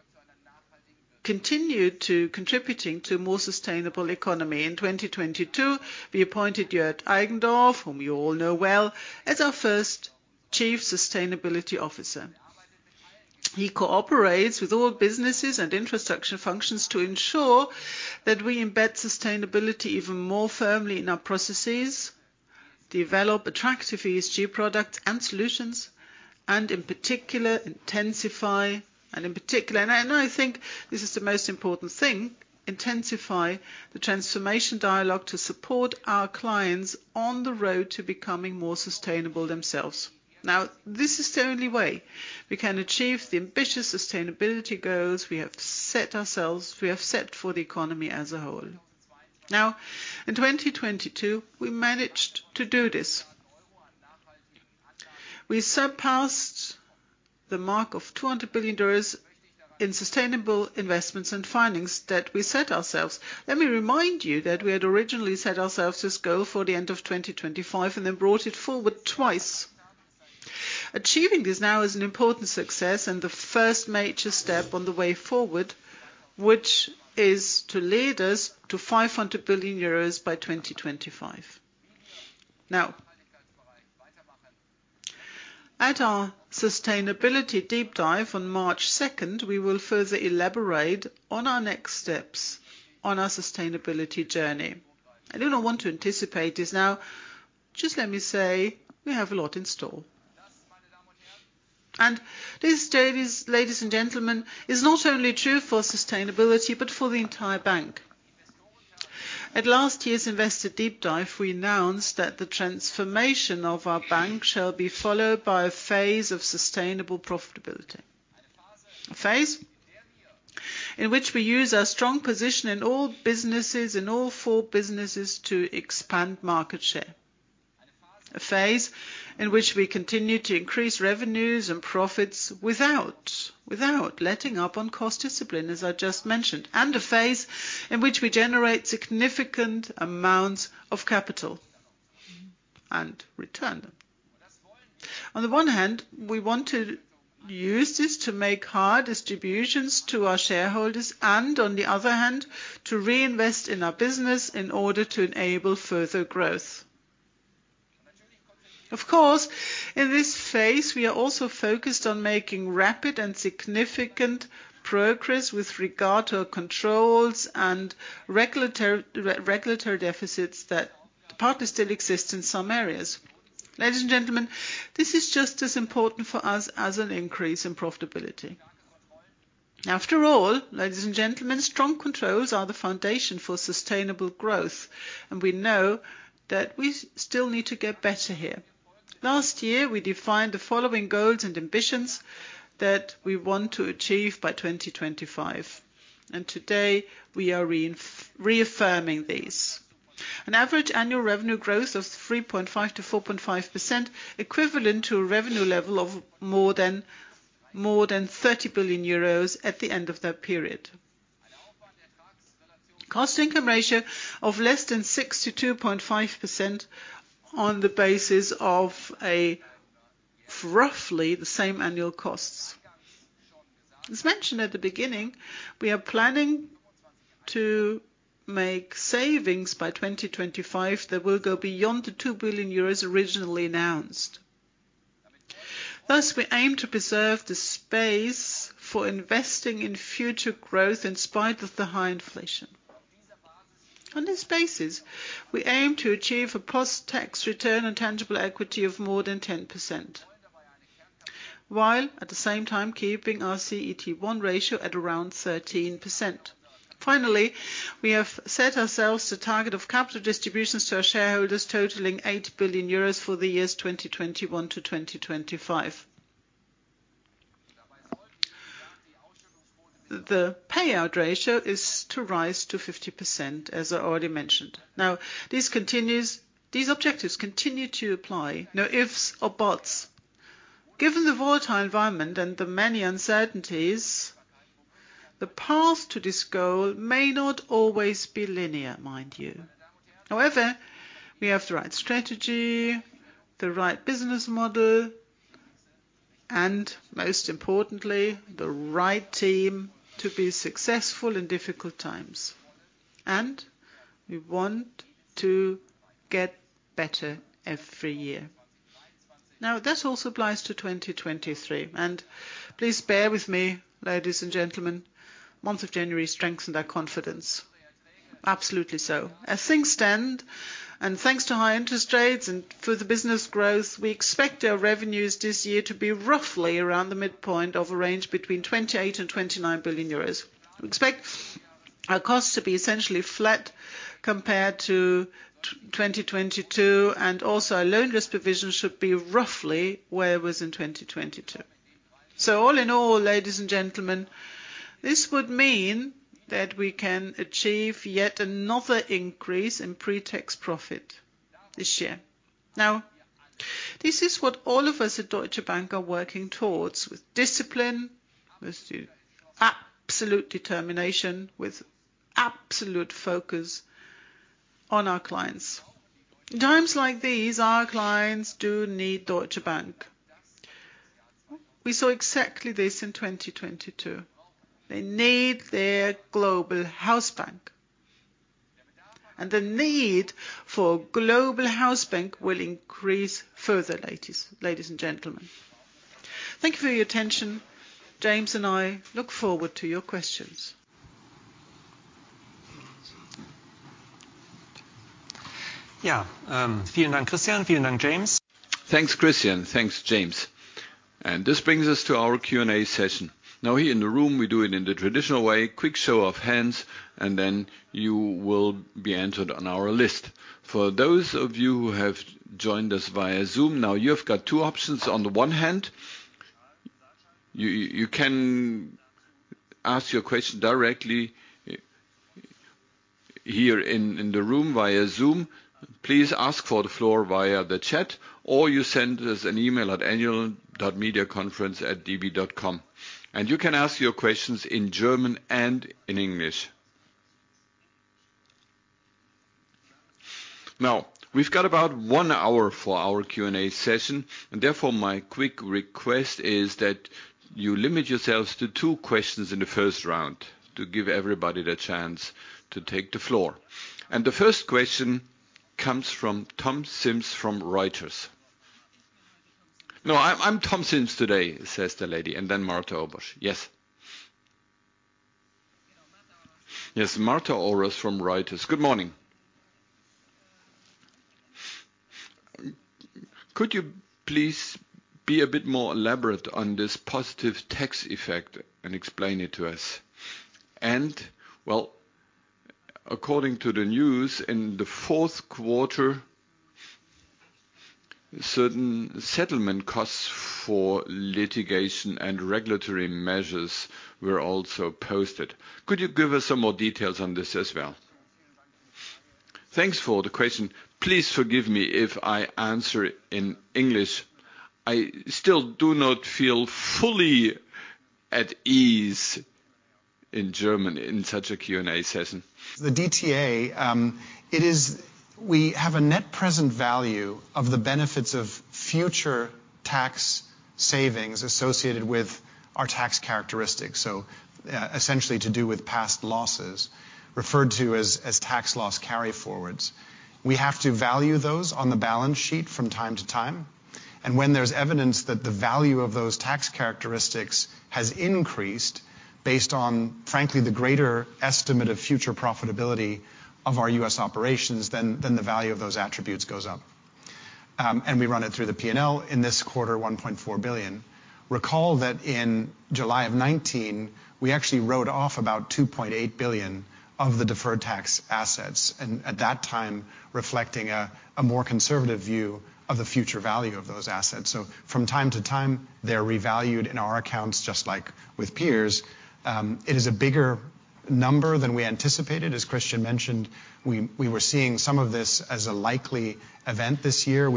to contribute to a more sustainable economy. In 2022, we appointed Jörg Eigendorf as our first Chief Sustainability Officer. He works across all businesses and infrastructure functions to embed sustainability in our processes, develop attractive ESG products, and intensify... ...the transformation dialogue to help clients become more sustainable themselves. This is key to achieving ambitious sustainability goals for the broader economy. In 2022, we surpassed $200 billion in sustainable investments, a target originally set for 2025 but advanced twice. Achieving this now is a major milestone and the first step toward EUR 500 billion by 2025. At our sustainability deep dive on March 2, we will elaborate on the next steps of our sustainability journey. I do not want to anticipate now, but we have much in store. This applies not only to sustainability but to the entire bank. At last year’s investor deep dive, we announced that the bank’s transformation will be followed by a phase of sustainable profitability. In this phase, we will leverage our strong position in all four businesses to expand market share, increase revenues and profits while maintaining cost discipline, generate significant capital, and continue returning value to shareholders. On the one hand, we want to use this to make meaningful distributions to our shareholders, and on the other hand, to reinvest in our business to enable further growth. Of course, during this phase, we are also focused on making rapid and significant progress regarding our controls and regulatory deficits that still exist in some areas. Ladies and gentlemen, this is just as important as increasing profitability. Strong controls are the foundation for sustainable growth, and we acknowledge that we still need to improve. Last year, we defined the goals and ambitions we aim to achieve by 2025, and today we reaffirm them. We aim for average annual revenue growth of 3.5%–4.5%, equivalent to more than 30 billion euros by the end of that period. Cost-income ratio is targeted at below 62.5%, assuming roughly stable annual costs. As mentioned earlier, our savings by 2025 will exceed the 2 billion euros originally announced. This allows us to preserve space for investing in future growth despite high inflation. On this basis, we aim for a post-tax return on tangible equity above 10%, while maintaining a CET1 ratio around 13%. Finally, we set a target of EUR 8 billion in capital distributions to shareholders for 2021–2025. The payout ratio is to rise to 50%, as previously mentioned. These objectives remain firm. Given the volatile environment and uncertainties, the path may not be linear. However, we have the right strategy, business model, and most importantly, the right team to succeed even in difficult times. We aim to improve each year, including in 2023. The month of January has already strengthened our confidence. With high interest rates and continued business growth, we expect 2023 revenues to be roughly at the midpoint of 28–29 billion euros. Costs are expected to remain essentially flat compared to 2022, and loan loss provisions should be similar to last year. Overall, this would allow for another increase in pre-tax profit. This is what we at Deutsche Bank are working toward with discipline, determination, and a focus on our clients. In times like these, our clients do need Deutsche Bank.utsche Bank. We saw exactly this in 2022. Clients need their global house bank. This need will increase further, ladies and gentlemen. Thank you for your attention. James and I look forward to your questions. Yeah. James. Thanks, Christian. Thanks, James. This brings us to our Q&A session. In the room, we proceed with a quick show of hands, after which you will be entered on the list. For Zoom participants, you have two options: ask your question directly via Zoom or send an email to annual.mediaconference@db.com No, I'm Tom Simms today, says the lady, and then Marta Orosz. Yes. You know Marta Orosz. Yes, Marta Orosz from Reuters. Good morning. Could you elaborate on this positive tax effect and explain it to us? According to reports, certain settlement costs for litigation and regulatory measures were also recorded in Q4. Could you provide details on this? Please forgive me if I answer in English, as I’m not fully comfortable in German in such a Q&A session. The DTA represents the net present value of future tax savings associated with our tax characteristics, mainly related to past losses, or tax loss carryforwards. These are revalued on the balance sheet periodically. When evidence shows the value of these tax characteristics has increased—based on a greater estimate of future profitability of our U.S. operations—the value rises. This is recognized in the P&L. In this quarter, that amounted to $1.4 billion. Recall that in July 2019, we wrote off about $2.8 billion of deferred tax assets, reflecting a more conservative view of their future value. From time to time, these assets are revalued, just like peers do. This quarter's amount was larger than expected, as Christian mentioned. We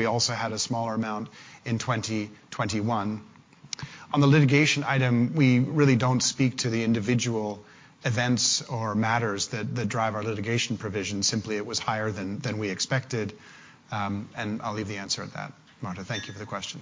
also had a smaller amount in 2021. Regarding litigation, we don’t comment on individual cases; simply, provisions were higher than anticipated, and that concludes my answer. Marta, thank you for your question.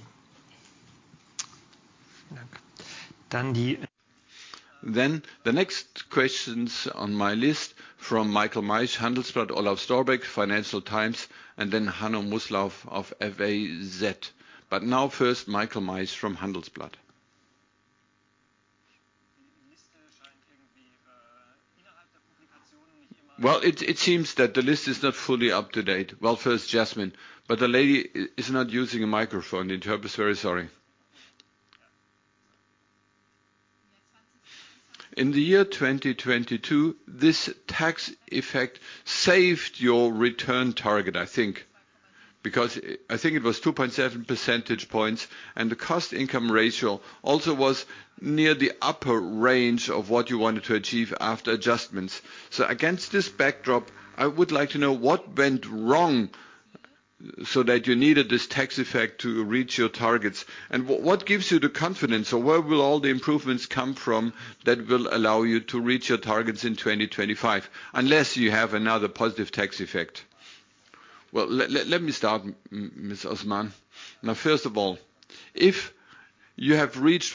Next questions are from Michael Maisch, Handelsblatt; Olaf Storbeck, Financial Times; and Hanno Mußler, FAZ. First, Michael Maisch, Handelsblatt. It seems the list is not fully up to date. First Jasmine—the lady is not using a microphone. Interpreter, sorry. In 2022, this tax effect saved your return target, I believe 2.7 percentage points. The cost-income ratio was near the upper end of your target after adjustments. Against this backdrop, what went wrong that required this tax effect to reach targets? What gives you confidence that all improvements will allow you to reach your 2025 targets, unless there is another positive tax effect? Ms. Osman, let me start. Reaching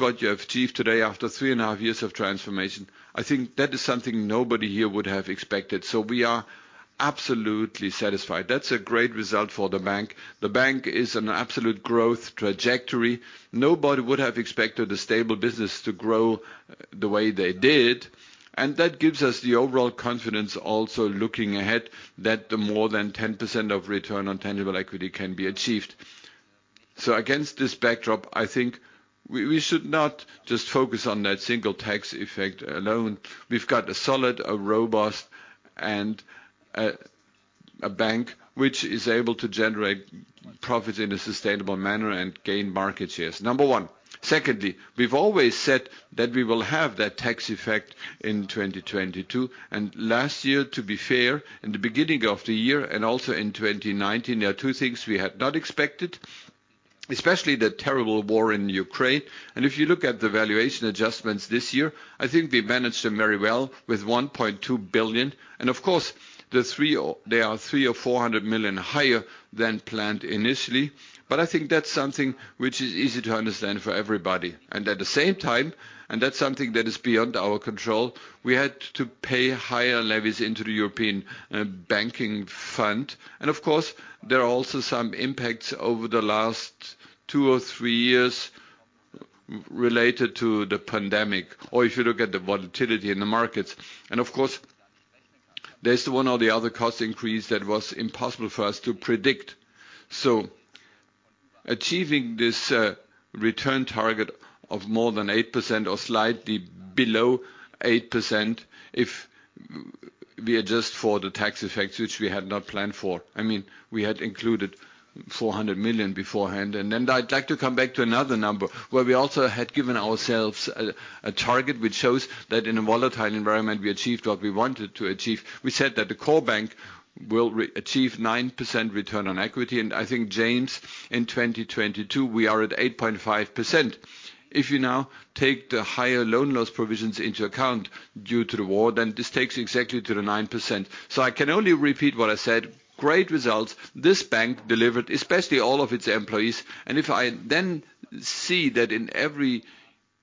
what we achieved after three and a half years of transformation is remarkable—something few expected. We are satisfied. The bank is on a growth trajectory. Stable businesses grew beyond expectations, giving us confidence that a >10% post-tax return on tangible equity is achievable. Therefore, focus should not be on the single tax effect alone. We have a robust bank capable of generating sustainable profits and gaining market share. We anticipated the tax effect in 2022. In early 2022 and 2019, two events were unexpected: the war in Ukraine and related valuation adjustments. We managed them well with 1.2 billion, though 300–400 million higher than planned. Additionally, higher levies were paid into the European banking fund, which was beyond our control. Of course, there were also impacts over the last two or three years related to the pandemic and market volatility. Naturally, some cost increases were impossible to predict. Achieving the return target of more than 8%, or slightly below 8% if we adjust for unplanned tax effects, was still within expectations—we had previously included 400 million. I would like to highlight another number: the core bank aimed for a 9% return on equity, and in 2022, we reached 8.5%. Taking into account the higher loan loss provisions due to the war, this aligns precisely with the 9% target. Great results—this bank delivered, thanks especially to all its employees. If we see that market shares increased in every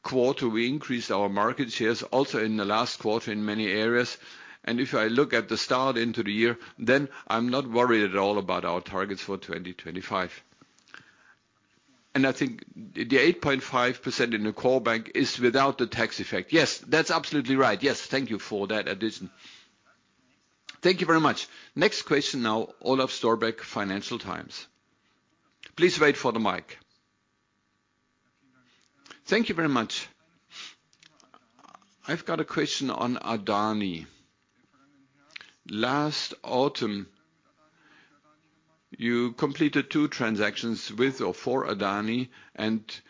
quarter, including the last, and observe the start of this year, I am not worried about our 2025 targets. The 8.5% in the core bank excludes the tax effect. Yes, that's correct. Thank you for that clarification. Next question: Olaf Storbeck, Financial Times. Please wait for the mic. Last autumn, you completed two transactions involving Adani and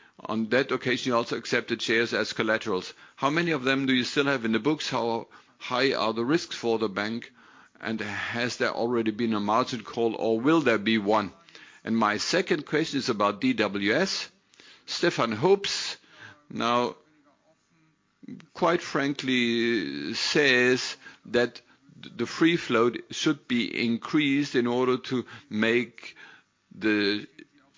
accepted shares as collateral. How many shares remain on your books? What are the associated risks for the bank? Has there been a margin call, or will there be one? My second question is about DWS. Stefan Hoops has suggested increasing free float to make the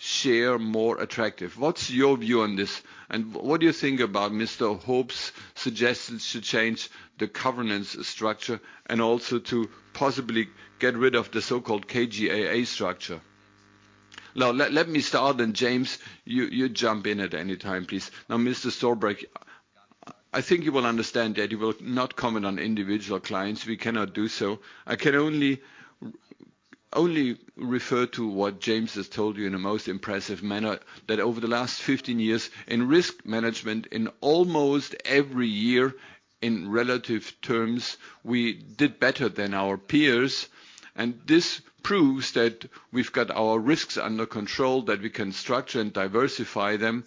share more attractive. What is your view? And what do you think about his proposals to change the governance structure, including the KGAA structure? Let me start, and James will add comments where necessary. Mr. Storbeck, I’m sure you understand that we cannot comment on individual clients.. I can only refer to what James explained impressively: over the past 15 years in risk management, we consistently outperformed peers. This demonstrates that we have our risks under control and can structure and diversify them.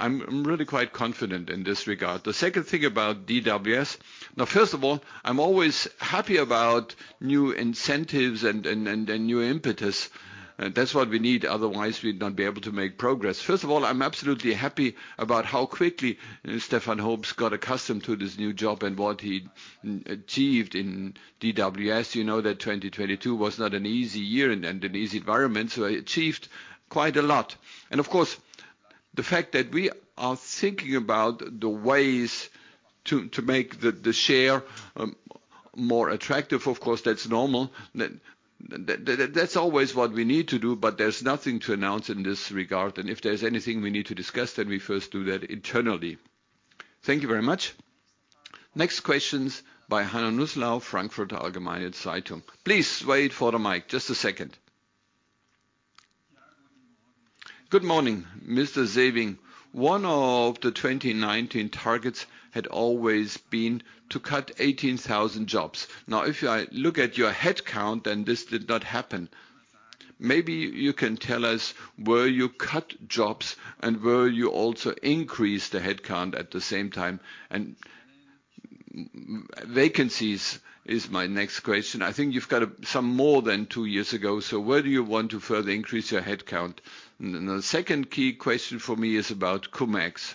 Regarding DWS, we welcome new incentives and momentum—that’s what drives progress. Stefan Hoops has adapted quickly to his new role and achieved a lot, particularly considering 2022 was a challenging year. Of course, we are always considering ways to make the share more attractive. That is normal and necessary, but there is nothing to announce at this stage. Any decisions will first be discussed internally. Thank you. Next question: Hanno Mußler, Frankfurter Allgemeine Zeitung. Please wait for the mic. Good morning, Mr. Sewing. One 2019 target was to cut 18,000 jobs. The headcount suggests this did not happen—can you clarify? Will you reduce jobs and simultaneously increase headcount to cover vacancies? A second key question concerns CumEx: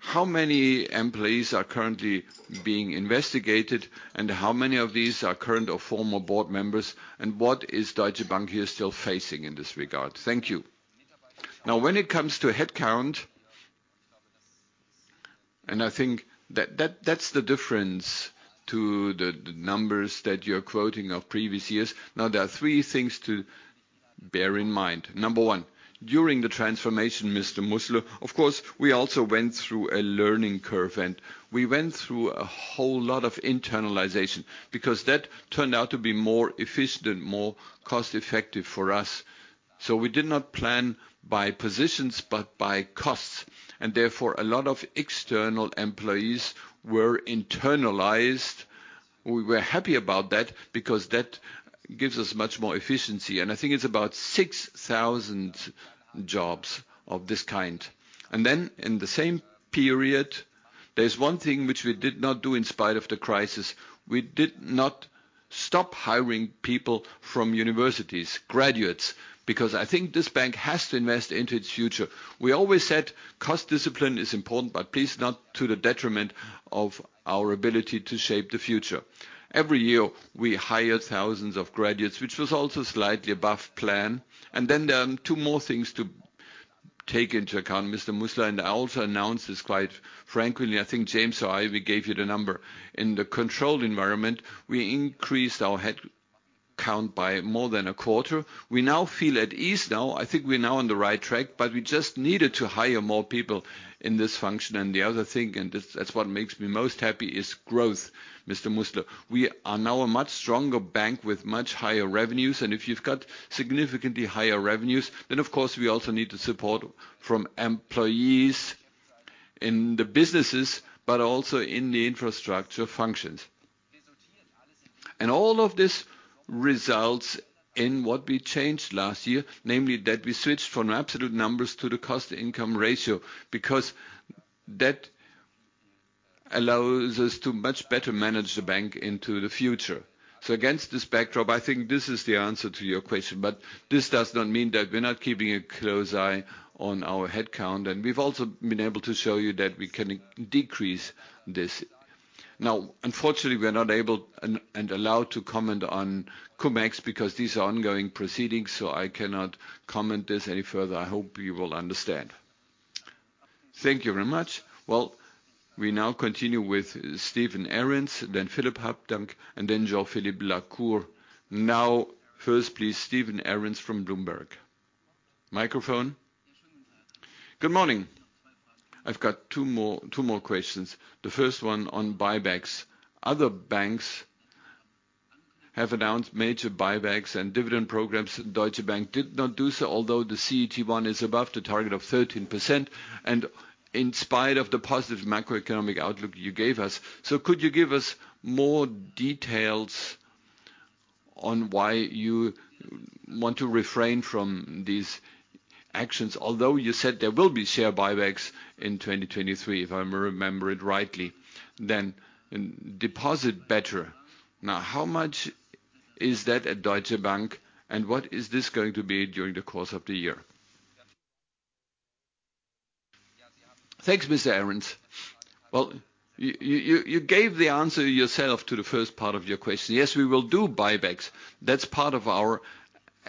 how many employees are currently under investigation, and how many are current or former board members? What is Deutsche Bank’s current exposure here? Regarding headcount, there are three points to note. During the transformation, Mr. Mußler, we underwent a learning curve and internalized many roles, which proved more efficient and cost-effective. We planned headcount by cost, not positions, resulting in the internalization of roughly 6,000 external employees.n because that turned out to be more efficient, more cost-effective for us. We did not plan by positions, but by costs, and therefore a lot of external employees were internalized. We welcomed this approach, as it improved efficiency. During this period, we also continued to hire university graduates, slightly above plan, to invest in the bank’s future. Cost discipline remains crucial, but not at the expense of shaping the future. Two additional points, Mr. Mußler: in a controlled environment, we increased headcount by more than a quarter. We now feel comfortable with this level. We are on the right track but needed additional hires in key functions. What makes me most confident is growth. The bank is stronger, with higher revenues, necessitating support in both business and infrastructure functions. Last year, we switched from managing absolute headcount numbers to monitoring the cost-income ratio, allowing better oversight. This explains our current headcount strategy. We continue to monitor and have demonstrated our ability to reduce numbers where appropriate. Regarding CumEx, we cannot comment as proceedings are ongoing. Thank you for your understanding. Next, Steven Arons, then Philipp Habdank, and Jean-Philippe Lacour. First, Steven Arons from Bloomberg. Mic, please. Good morning. I have two questions: first, on buybacks. Other banks announced major buybacks and dividend programs. Deutsche Bank has not, despite a CET1 above 13% and your positive macro outlook. Can you elaborate on why? You mentioned share buybacks in 2023—how will deposit beta factor into this? Thanks, Mr. Arons. The answer is partly contained in your question: yes, we will execute buybacks as part of the 8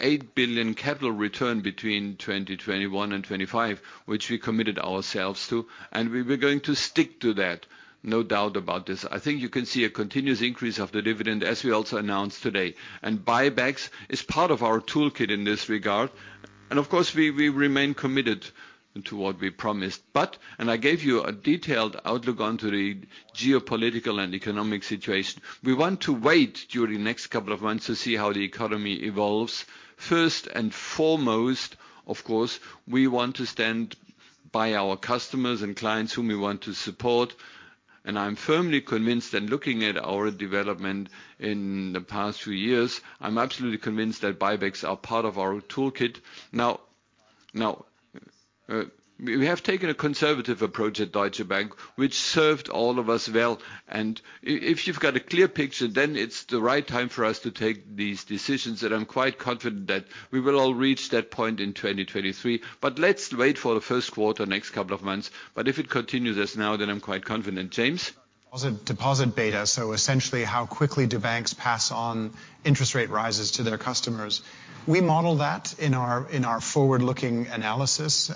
billion capital return commitment for 2021–2025. Dividend increases, as announced today, are part of this strategy. Buybacks are included in our toolkit, and we remain committed to our pledge. I outlined the geopolitical and economic outlook and propose waiting a few months to observe developments before acting. First and foremost, our priority is to support customers and clients. Looking at recent performance, I am convinced that buybacks are part of our toolkit. We have adopted a conservative approach at Deutsche Bank, which has served us well. When the timing is appropriate, we will make decisions confidently. Let us wait for the first quarter and the next few months. If conditions persist, I am confident we will execute accordingly. James, anything to add? Deposit beta—essentially how quickly banks pass on interest rate rises to their customers. We model that in our forward-looking analysis,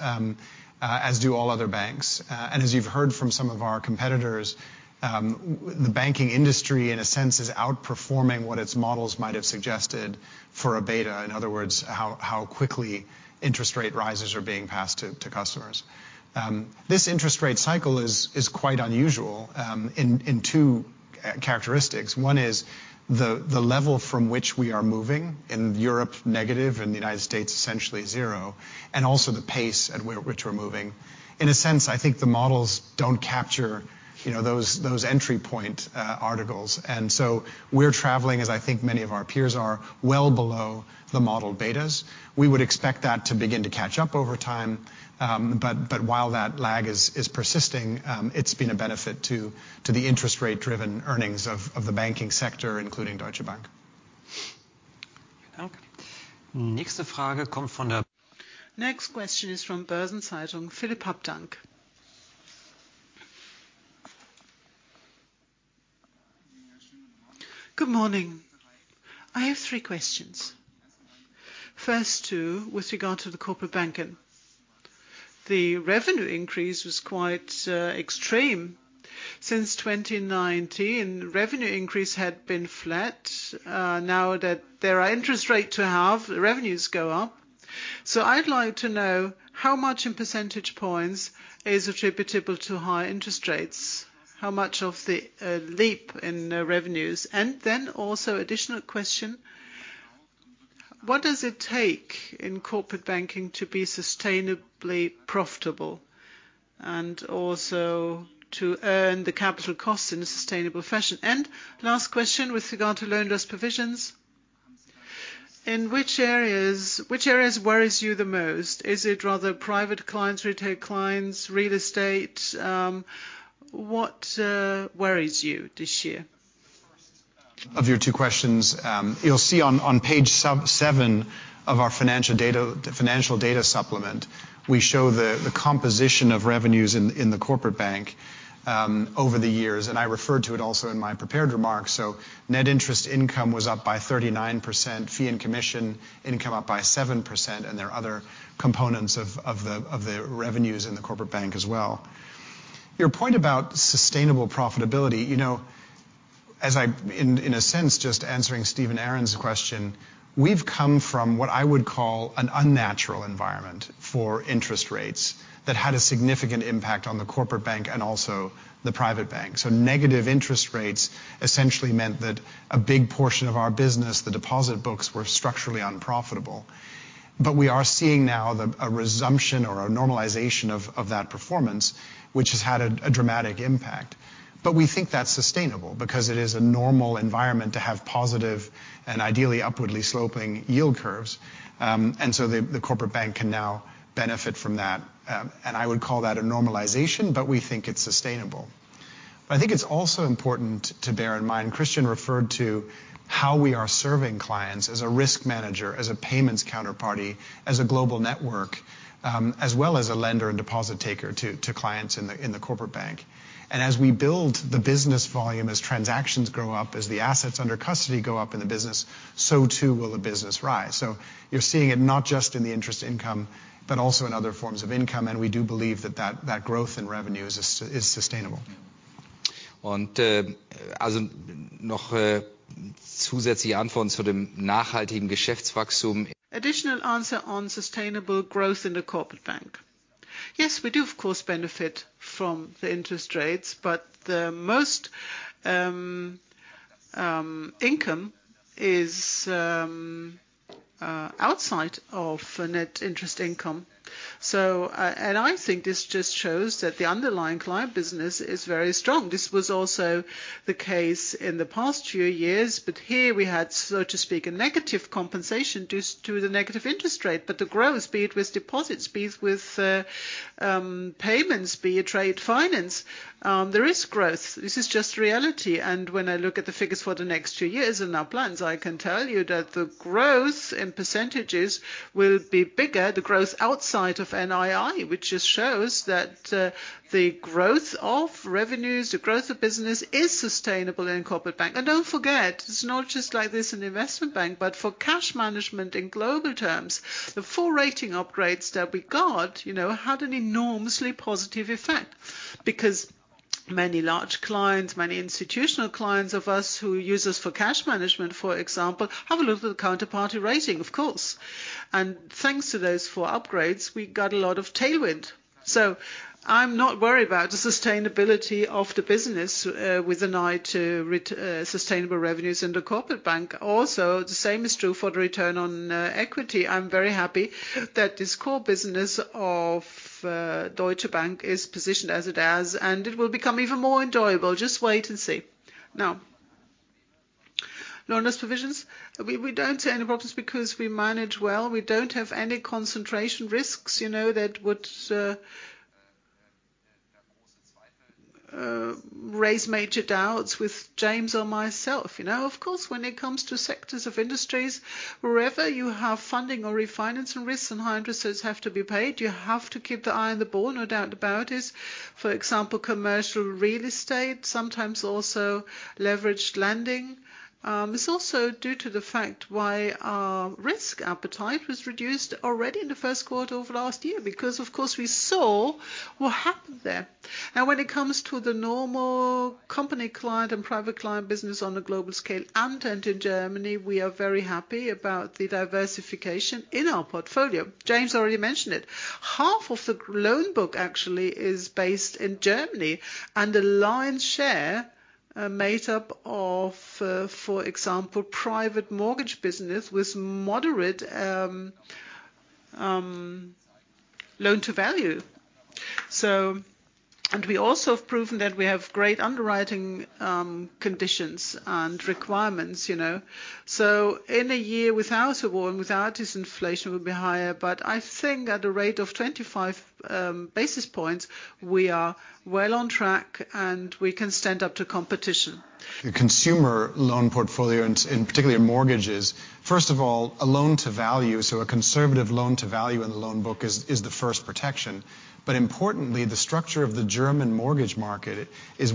as do all other banks. As you've heard from some of our competitors, the banking industry is outperforming what its models might have suggested for beta. In other words, how quickly interest rate rises are being passed to customers. This interest rate cycle is quite unusual in two ways: the level from which we are moving—negative in Europe, essentially zero in the United States—and the pace at which we’re moving. The models don’t fully capture these entry point effects. We’re traveling, as many of our peers are, well below the model betas. We would expect that to catch up over time. While that lag persists, it has benefited the interest rate-driven earnings of the banking sector, including Deutsche Bank. Next question is from Philipp Habdank, Börsen-Zeitung. Good morning. I have three questions: first, regarding corporate banking. The revenue increase was quite extreme. Since 2019, revenue growth had been flat. Now, with interest rates rising, revenues are up. How much of this increase is attributable to high interest rates? Second, what does it take for corporate banking to be sustainably profitable and earn capital costs in a sustainable way? Third, regarding loan loss provisions. Which areas worry you the most? Is it private clients, retail clients, or real estate? What concerns you this year? Regarding your questions, on page seven of our financial data supplement we show the composition of revenues in the Corporate Bank over the years, as I mentioned in my prepared remarks. Net interest income was up 39%, fee and commission income up 7%, and there are other revenue components as well. Concerning sustainable profitability: negative interest rates had created an unnatural environment, making a large portion of our deposit books structurally unprofitable. Now we’re seeing a normalization of that performance, which has had a dramatic impact. We think this is sustainable because positive, upward-sloping yield curves are normal. The corporate bank can now benefit from this normalization. It’s also important to remember that, as Christian mentioned, we serve clients as a risk manager, payments counterparty, global network, lender, and deposit taker. As business volumes and assets under custody grow, so too will the bank’s business. You’re seeing this not only in interest income but also in other forms of income. We believe growth in revenue is sustainable. Regarding sustainable growth in the corporate bank: of course, we benefit from interest rates, but most income is outside net interest income. This demonstrates the underlying strength of client business. Previously, negative rates were a drag, but now we see growth across deposits, payments, and trade finance. Looking at our plans for the next two years, growth outside net interest income will be larger, which shows that corporate bank revenue growth is sustainable. This isn’t limited to the investment bank. In global cash management, rating upgrades gave us a significant positive effect. Many institutional clients rely on us for cash management and benefit from these upgrades. I’m confident in the sustainability of corporate bank revenues and return on equity. This core business is well-positioned and will continue to thrive. Regarding loan loss provisions: we don’t anticipate problems because we manage risk well. We don’t have concentration risks that would concern James or myself. Regarding sectors with funding or refinancing risks and high interest costs, we remain vigilant—commercial real estate and leveraged lending, for example. Our reduced risk appetite since Q1 last year reflects this. For normal company and private client business globally and in Germany, our portfolio diversification is strong. James already mentioned this. Half of the loan book is in Germany. Most of it is private mortgage business with moderate loan-to-value ratios. Our underwriting standards are strong. In a year without war and with stable disinflation, at a rate of 25 basis points, we are on track and competitive. For the consumer loan portfolio, particularly mortgages: a conservative loan-to-value ratio is the first line of protection. The German mortgage market features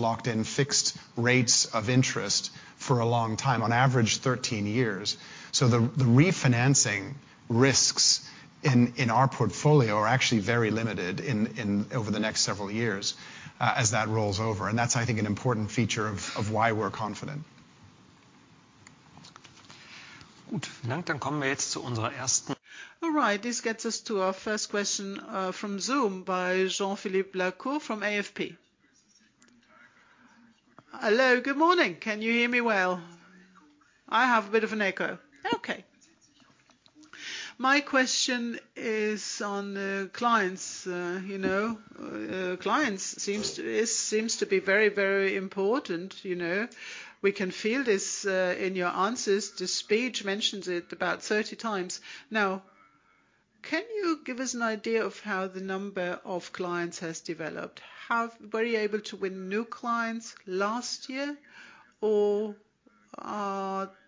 long-term fixed rates—average 13 years—so refinancing risks are limited over the next several years. This is a key reason for our confidence. Our first Zoom question is from Jean-Philippe Lacour, AFP. Good morning. Can you hear me? I have a bit of echo. My question is on clients. Clients seem extremely important—you’ve mentioned them about 30 times. Can you give an idea of client numbers? Did you gain new clients last year, or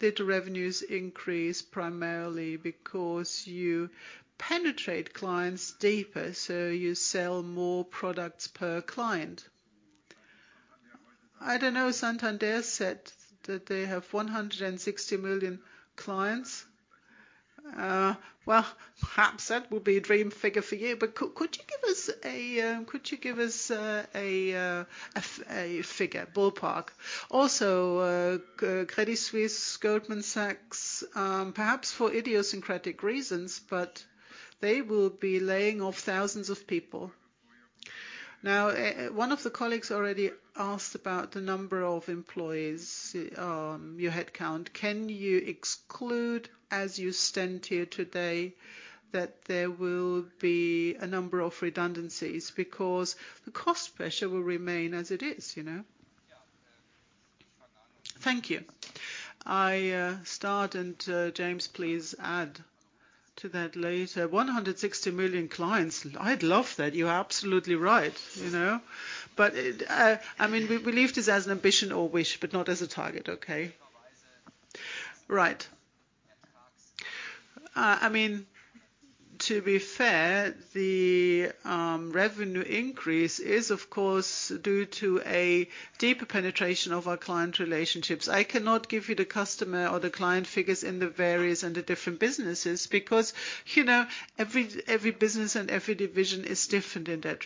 did revenues rise mainly due to deeper penetration, selling more products per client? Banco Santander claims 160 million clients—perhaps an aspirational figure for you. Could you provide a ballpark figure? Credit Suisse, Goldman Sachs, for idiosyncratic reasons, will lay off thousands of people. One colleague asked about headcount. Can you exclude redundancies given current cost pressures? Yeah. Thank you. I’ll start, and James will add. 160 million clients is an ambition, not a target. Revenue increase is due to deeper client relationship penetration. I cannot give client figures across all businesses—each division is different. In the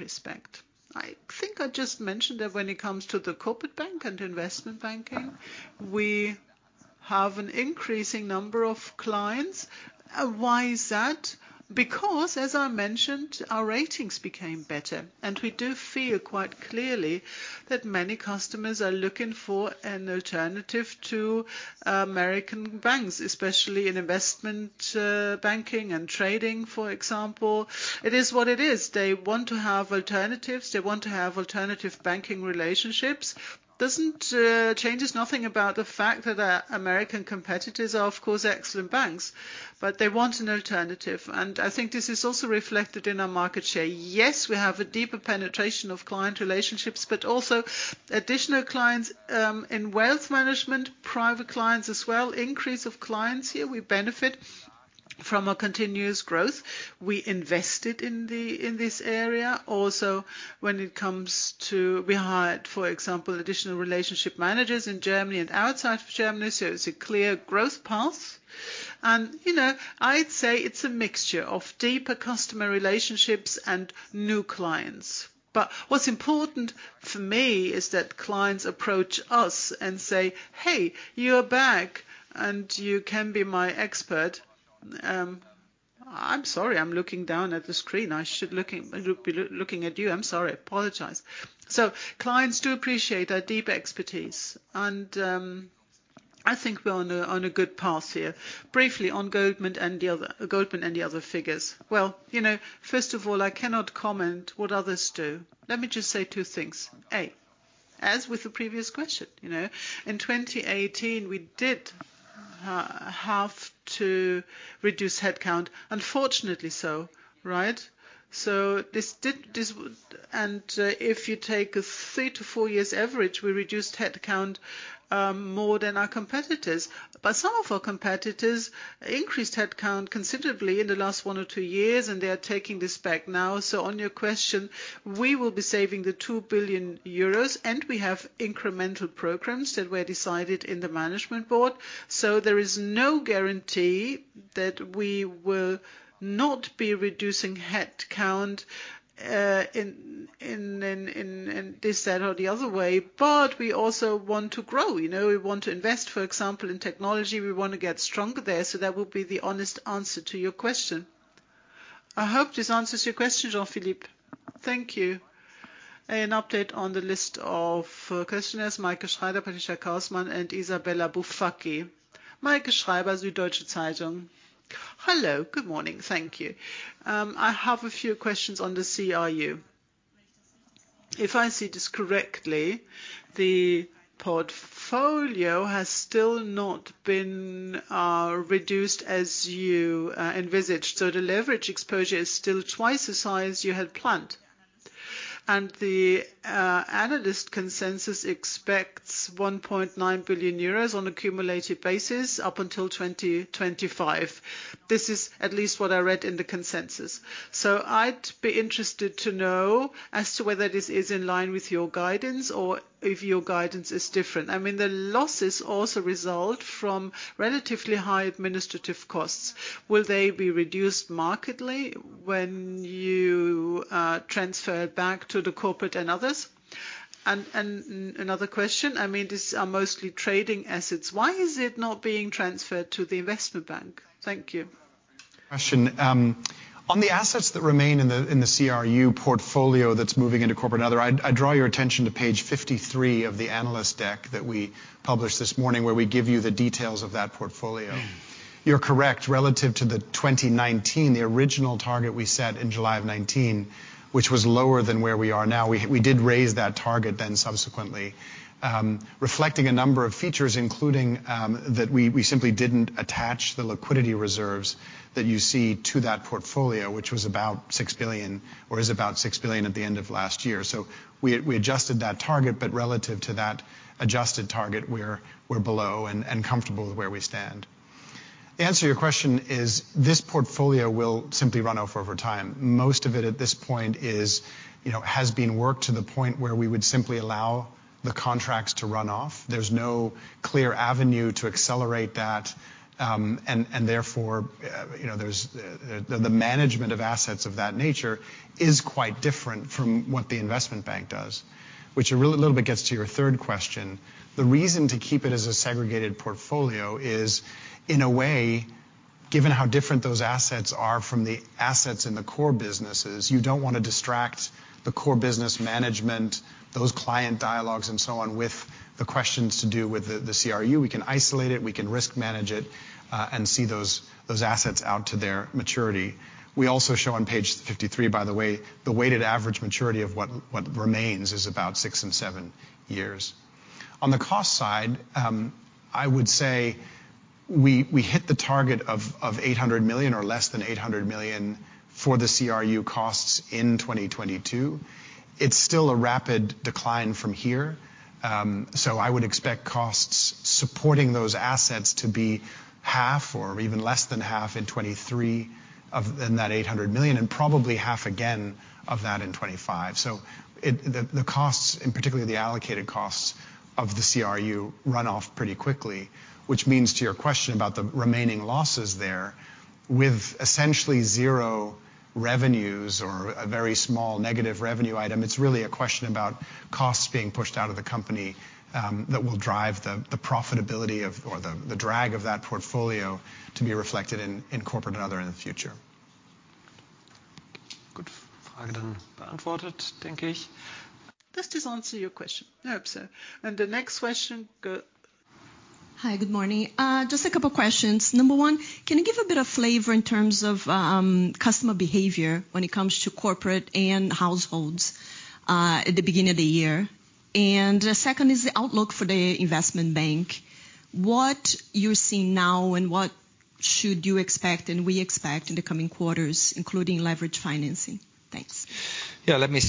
corporate bank and investment banking, client numbers are rising. Here’s why: Because, as I mentioned, our ratings became better, and we feel clearly that many customers are looking for an alternative to American banks, especially in investment banking and trading. They want alternative banking relationships. This does not change the fact that American competitors are excellent banks, but clients want an alternative. This is also reflected in our market share. We have deeper penetration of client relationships and additional clients in wealth management and private banking. We benefit from continuous growth. We invested in this area, including hiring additional relationship managers in Germany and internationally, which supports a clear growth path. It's a mixture of deeper customer relationships and new clients. Clients approach us saying, "Hey, you're back, and you can be my expert." Clients appreciate our deep expertise, and we are on a good path. Regarding Goldman Sachs and other competitors, I cannot comment on their actions. In 2018, we had to reduce headcount, and over a three- to four-year average, we reduced more than competitors. Some competitors increased headcount in the last 1–2 years and are now taking it back. Regarding the EUR 2 billion savings, incremental programs were decided by the management board. There is no guarantee we won’t reduce headcount in some areas, but we also want to grow, including investing in technology. That would be the honest answer. I hope this clarifies, Jean-Philippe. Update on questioners: Meike Schreiber, Patricia Carsman, and Isabella Bufacchi. Meike Schreiber, Süddeutsche Zeitung: Hello, good morning. A few questions on the CRU. If I see correctly, the portfolio has not been reduced as envisaged. Leverage exposure is still twice the planned size. Analyst consensus expects 1.9 billion euros accumulated until 2025. Is this in line with your guidance? Losses also result from high administrative costs—will they reduce markedly when transferring to corporate and others? Another question: these are mostly trading assets—why not transferred to the investment bank? Question. Regarding CRU assets moving to corporate and other: see page 53 of the analyst deck. Relative to the 2019 target set in July 2019, we subsequently raised it due to features including liquidity reserves of about EUR 6 billion at the end of last year. Relative to the adjusted target, we are below and comfortable. This portfolio will run off over time.rget, but relative to that adjusted target, we're below and comfortable with where we stand. The answer to your question is this portfolio will simply run off over time. Most of the portfolio has been worked to the point where contracts can simply run off. There’s no clear avenue to accelerate, so management differs from the investment bank. Keeping it segregated avoids distracting core business management. We can isolate, risk manage, and see these assets to maturity. Weighted average maturity of remaining assets: about six to seven years. On costs, CRU hit EUR 800 million or less in 2022—a rapid decline. Costs supporting these assets likely will be half or less in 2023, and half again by 2025. Allocated CRU costs run off quickly. Remaining losses, with essentially zero or slightly negative revenue, are primarily due to costs being pushed out of the company. This will determine the future drag of the portfolio as reflected in corporate and other. Good. Does this answer your question? I hope so. Next question. Hi, good morning. Two questions: 1) Can you give a flavor of customer behavior for corporate and households at the start of the year? 2) Outlook for the Investment Bank—what are you seeing now, and what should we expect in the coming quarters, including leverage financing? Customer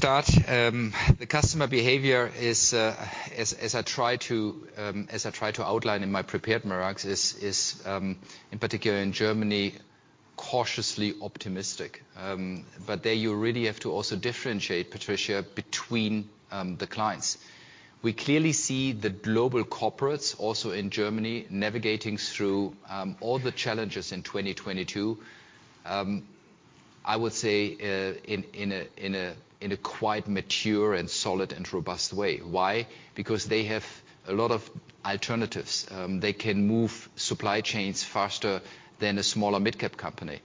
behavior, particularly in Germany, is cautiously optimistic. Different clients behave differently. Global corporates in Germany navigated 2022 challenges robustly—they have alternatives and can move supply chains faster than smaller midcap companies.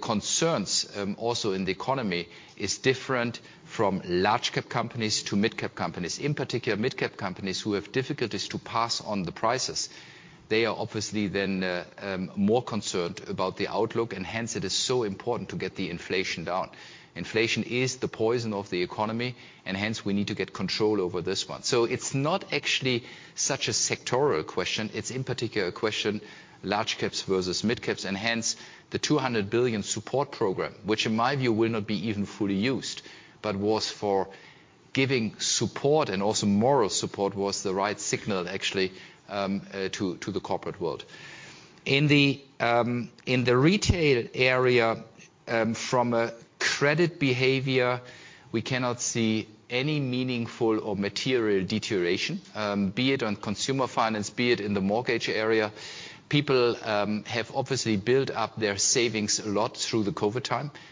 Concerns vary by company size; midcaps face more difficulty passing on prices. Midcaps are more concerned about the outlook, so controlling inflation is critical—it is “the poison of the economy.” EUR 200 billion support program was appropriate, even if not fully used. In retail, credit behavior shows no material deterioration—consumer finance and mortgages are stable. Savings accumulated during COVID help.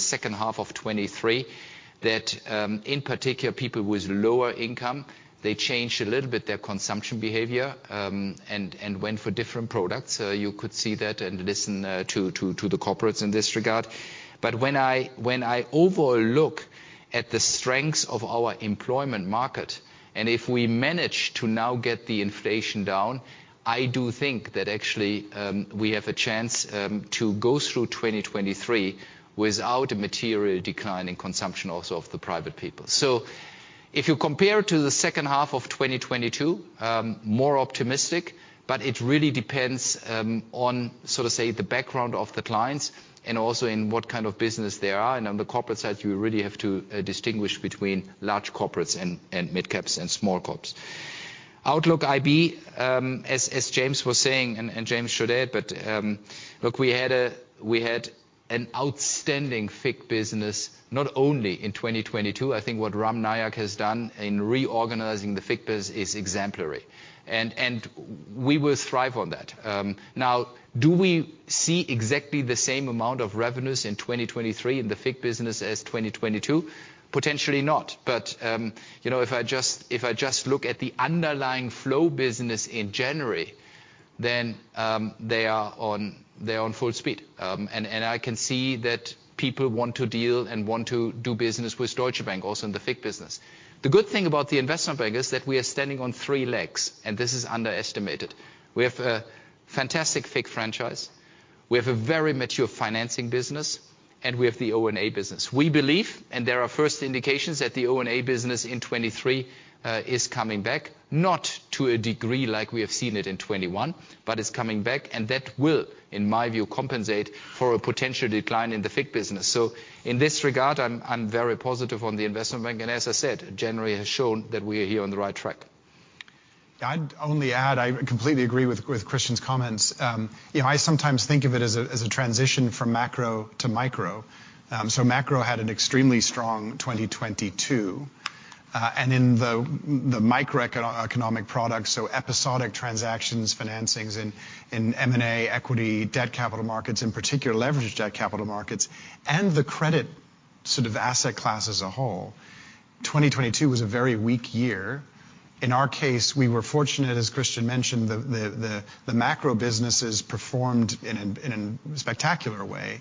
Second half of 2023: lower-income clients slightly adjusted consumption behavior. Observed through corporate feedback. Strength in employment and inflation control gives a chance to navigate 2023 without material private consumption decline. Compared to H2 2022, outlook is more optimistic but depends on client background and business type. Corporate clients: differentiate large corporates vs midcaps and small companies. IB outlook: James to add. FIC business outstanding in 2022. Ram Nayak’s reorganization of FIC business is exemplary. Will 2023 revenues match 2022 in FIC? Potentially not, but underlying flow business in January is active. Clients want to transact and do business with Deutsche Bank, including in FICC. The investment bank stands on three legs, often underestimated. We have a strong FICC franchise, a mature financing business, and the O&A business. Early indications show O&A is returning in 2023—not at 2021 levels, but enough to offset potential FICC decline. I am very positive on the investment bank. January results confirm we are on the right track. I agree with Christian. I sometimes see it as a transition from macro to micro. Macro had an extremely strong 2022. Microeconomic products—episodic transactions, financings, M&A, equity and debt capital markets, especially leveraged debt—had a weak 2022. As Christian mentioned, macro businesses performed spectacularly.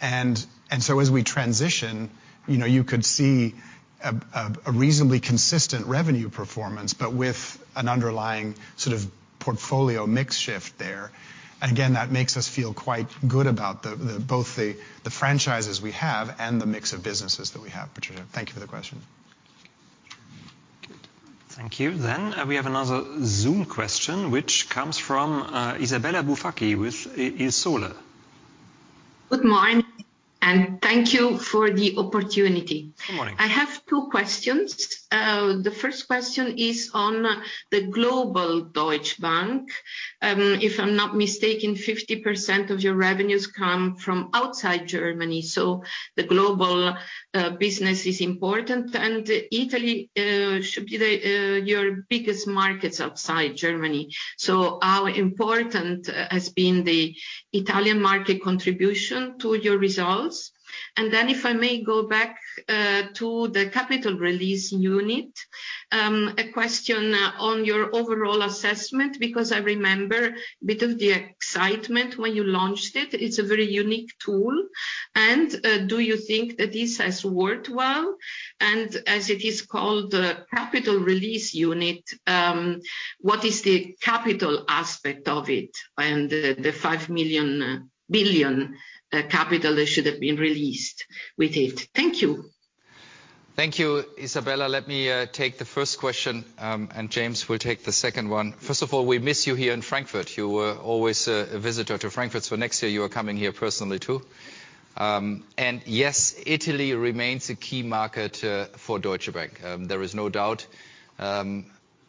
As we transition, revenue performance appears reasonably consistent, though portfolio mix shifts. This gives us confidence in both our franchises and the business mix. Patricia, thank you for your question. Good. Thank you. Next Zoom question is from Isabella Bufacchi, Il Sole 24 Ore. Good morning, thank you for the opportunity. Good morning. Two questions: First, on global Deutsche Bank. If I’m correct, 50% of revenues come from outside Germany. Italy should be your largest market outside Germany—how important is it? Second, on the Capital Release Unit (CRU): a very unique tool. Has it worked well? What is the capital impact, specifically the 5 billion that should have been released? Thank you, Isabella. I’ll take the first question, James the second. We miss you in Frankfurt; next year, you’ll visit personally. Italy remains a key market for Deutsche Bank. The 50% revenue cited refers only to corporate relationships outside Germany. Including home-market corporate clients, we generate more than 50%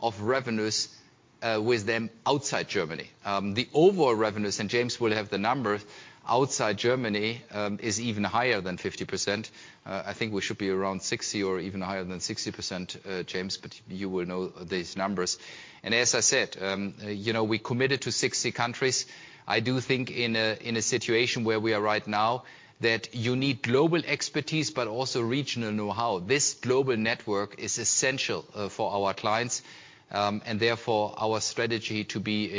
of revenues outside Germany. Overall revenues outside Germany are higher—around 60% or more. We are committed to 60 countries. Global expertise and regional know-how are essential. This network is crucial for clients, guiding our strategy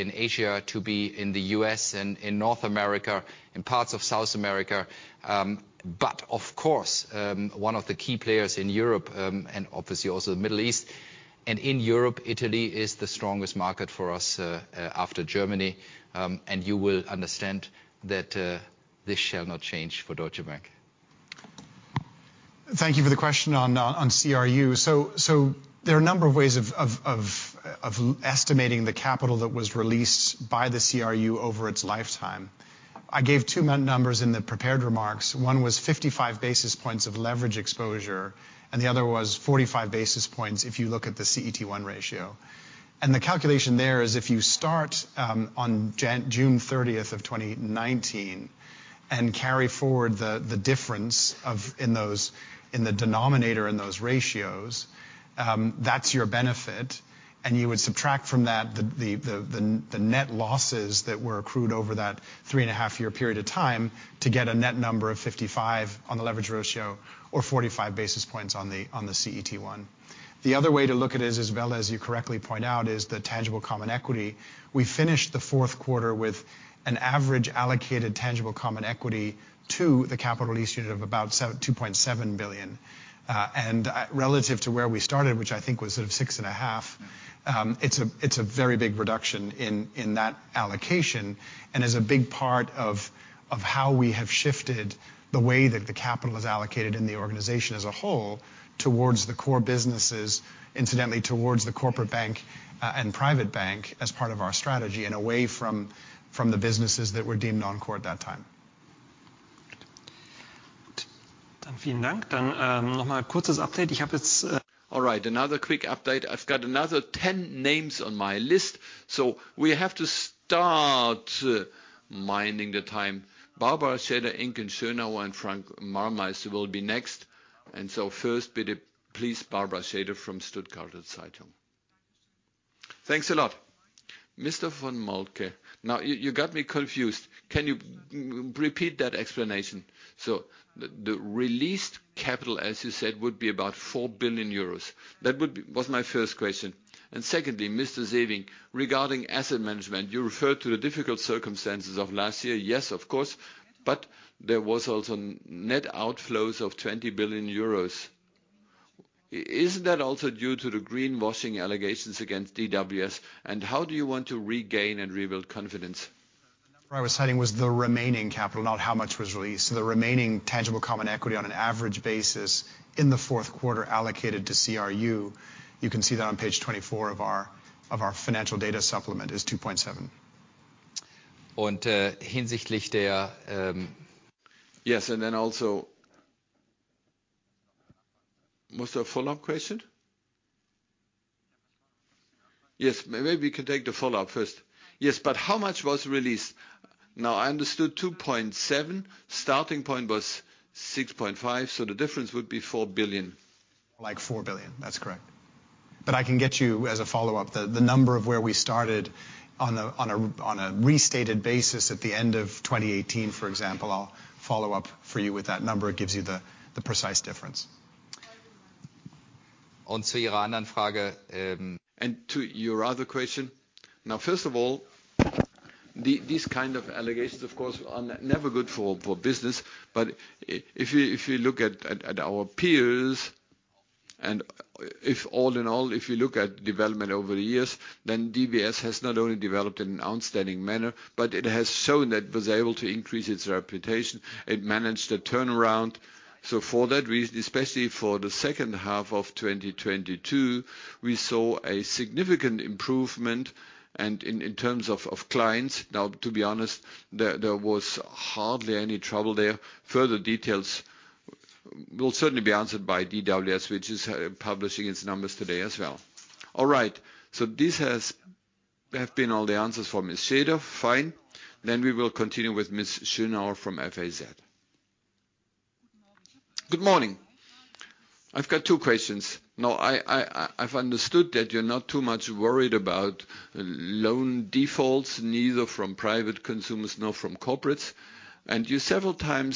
in Asia, the U.S., North and South America, and the Middle East. In Europe, Italy is our strongest market after Germany. This will remain unchanged for Deutsche Bank. Regarding CRU capital: multiple estimation methods exist. Prepared remarks cited 55 basis points of leverage exposure, or 45 basis points on CET1. Calculation starts June 30, 2019, carrying forward differences in the denominators of those ratios, subtracting net losses over 3.5 years. Result: 55 basis points on leverage ratio, 45 basis points on CET1. Tangible common equity perspective: Q4 average allocated TCE to CRU was EUR 2.7 billion, down from roughly EUR 6.5 billion. Significant reduction in allocation, shifting capital toward core businesses—corporate and private bank—away from non-core businesses at that time. Another update: next names—Barbara Schaefer, Inken Schönauer, Frank Meisler. First, Barbara Schaefer, Stuttgarter Zeitung. Mr. von Moltke, can you repeat the explanation? Released capital was about EUR 4 billion. Second, Mr. Sewing, on asset management: 2022 net outflows of 20 billion euros—related to greenwashing allegations? How will confidence be rebuilt? I cited remaining capital, not total released. Remaining TCE allocated to CRU in Q4: EUR 2.7 billion (see page 24, financial data supplement). Follow-up: How much was released? 2.7 remaining, starting point 6.5, so EUR 4 billion difference. Yes, approximately EUR 4 billion. I can provide a follow-up with restated numbers as of end-2018 for precision. Regarding allegations: never good for business. Peers and development over years show DWS has increased reputation, managed a turnaround. H2 2022 showed significant client improvement. Hardly any trouble observed. Further details will be provided by DWS, publishing numbers today. Answers for Ms. Schäfer completed. Next: Ms. Schönauer, FAZ. Good morning. Two questions: You’ve stated limited concern over loan defaults for private consumers or corporates, emphasizing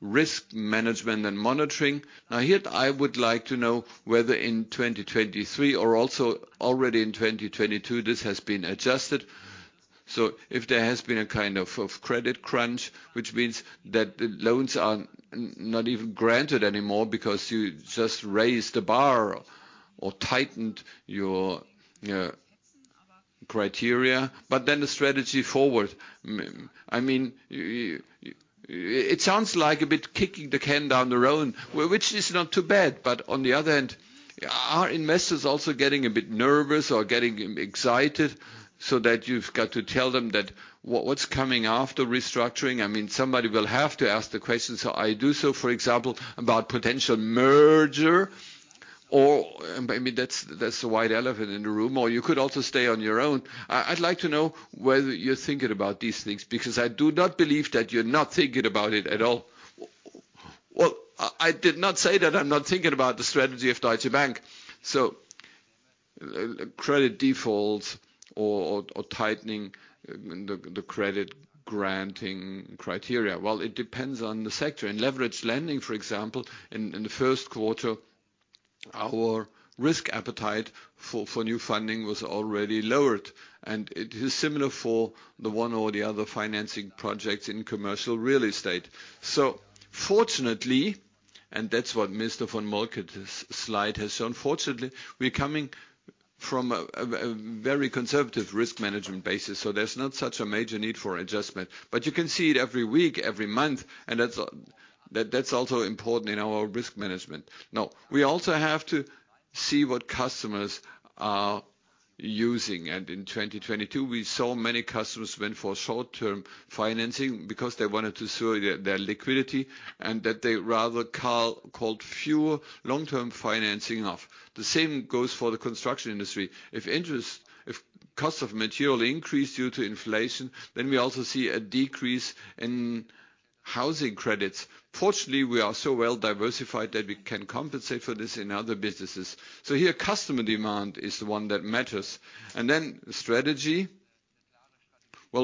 risk management and monitoring. Has 2022 or 2023 strategy adjusted? Has there been a “credit crunch,” with loans not granted due to tighter criteria? Forward strategy: some may view as “kicking the can down the road.” How are investors responding, and what should they expect post-restructuring? Someone has to ask the question, so I will. For example, regarding potential mergers—that’s the “white elephant” in the room. I want to know if you are thinking about this because I don’t believe you aren’t. I am considering Deutsche Bank’s strategy. Credit defaults or tighter credit criteria depend on the sector. In leveraged lending, risk appetite for new funding was already lowered in Q1. The same applies to some commercial real estate financing projects. Fortunately, as James von Moltke’s slide shows, we are well positioned. We come from a conservative risk management base, so major adjustments are not necessary. Monitoring is continuous—weekly, monthly—which is key. Customer behavior also matters. In 2022, many opted for short-term financing to shore up liquidity, reducing long-term financing. Construction industry demand decreased when material costs rose due to inflation. Fortunately, diversification across other businesses compensates. Customer demand remains the main driver. We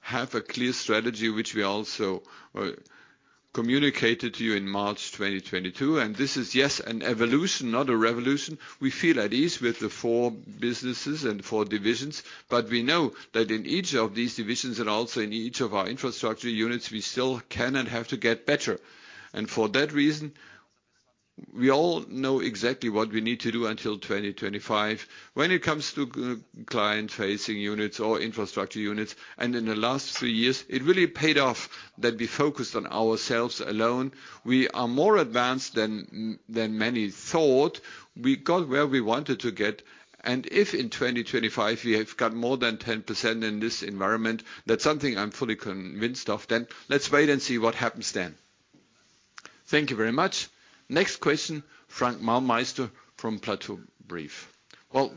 have a clear strategy communicated in March 2022. This is an evolution, not a revolution. We are confident in our four businesses and divisions. Each division and infrastructure unit can improve, and we know the steps to take until 2025. Focusing on ourselves over the past three years paid off; we are more advanced than many expected. We have achieved our goals, and if in 2025 we exceed 10% in this environment, I am fully convinced. Let’s wait and see how things develop Thank you. Next question: Frank Meisler, Der Platow Brief. In the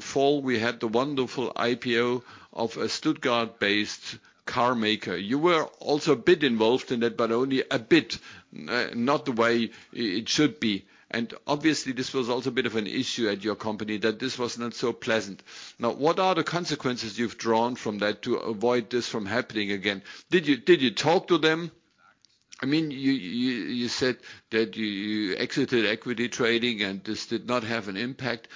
fall, there was the IPO of a Stuttgart-based car maker. We were involved, though not extensively, and the situation was uncomfortable internally. What lessons did we draw to prevent a recurrence? Did we communicate with the client? While we exited equity trading, this may have had some impact.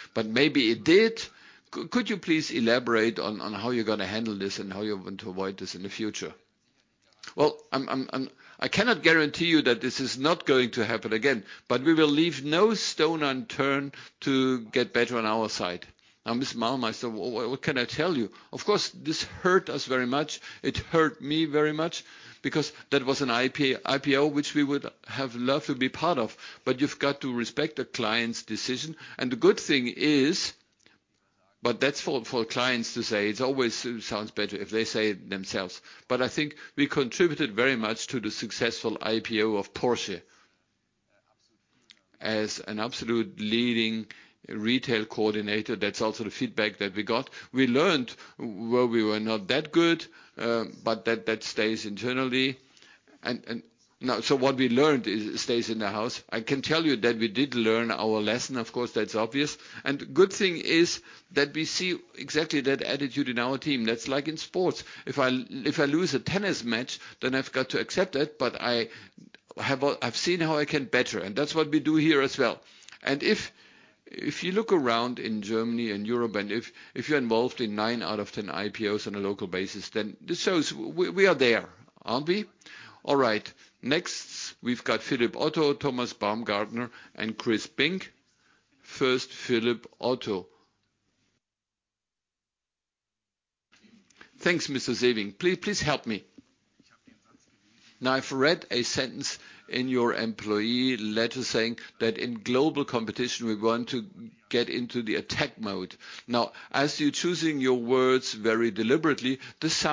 We will continue to improve and ensure no stone is left unturned. Mr. Meisler, this situation was painful, personally and professionally. The IP-IPO was one we wanted to be part of. Client decisions must be respected, and feedback is always best from the client themselves. We contributed significantly to Porsche’s IPO as a leading retail coordinator. We learned where we could improve, and these lessons remain internal. The key takeaway: our team has adopted a sports-like mentality—reflecting, improving, and acting decisively. If I lose a tennis match, I accept it and learn how to improve. This is our approach at Deutsche Bank. Being involved in nine out of ten local IPOs shows our presence and capabilities. Next on the list: Philipp Otto, Thomas Baumgartner, and Christoph Bink. Philipp Otto, you asked about “attack mode” in global competition. This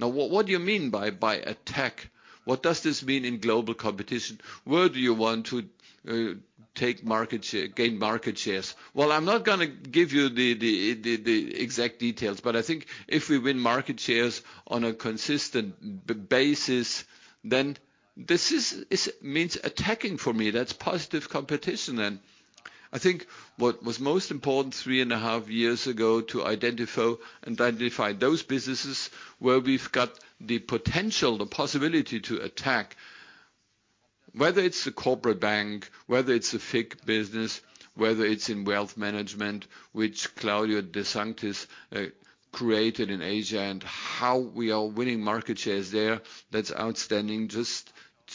goes beyond growth—it means consistently gaining market share. Three and a half years ago, we identified areas with potential: corporate banking, FIC, and wealth management, including Claudio de Sanctis’s work in Asia. Our Q4 wealth management results show tangible success. “Attack” does not imply inorganic measures; it is disciplined, strategic growth. Where do we want to take market share? Gain market share? I won’t give exact details, but consistent market share gains is what I mean by “attack.” That’s positive competition. Most importantly, three and a half years ago, we identified businesses with potential to grow: corporate banking, FIC, and wealth management, including Claudio de Sanctis’s work in Asia. Our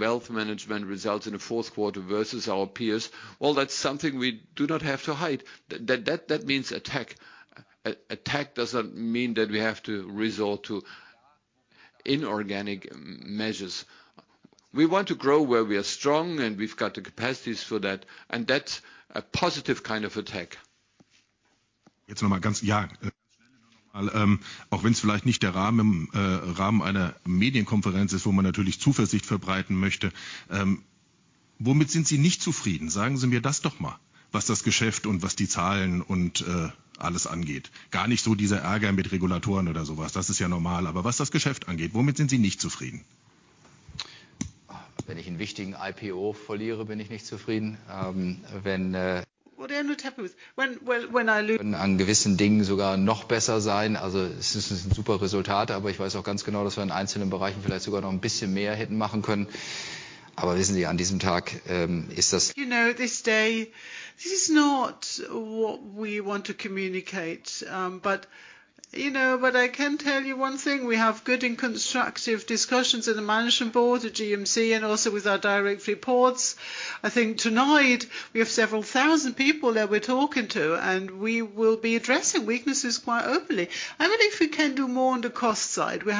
wealth management results in Q4 versus peers reflect this success. That is something we do not hide. “Attack” does not mean resorting to inorganic measures—it means disciplined, strategic growth. We focus on growing where we are strong and have the capacity to do so—that’s a positive kind of attack. This is not always easy to communicate, but we have constructive discussions in the management board, the GMC, and with our direct reports. Tonight, we are engaging with several thousand employees to address weaknesses openly. If we can improve on costs, we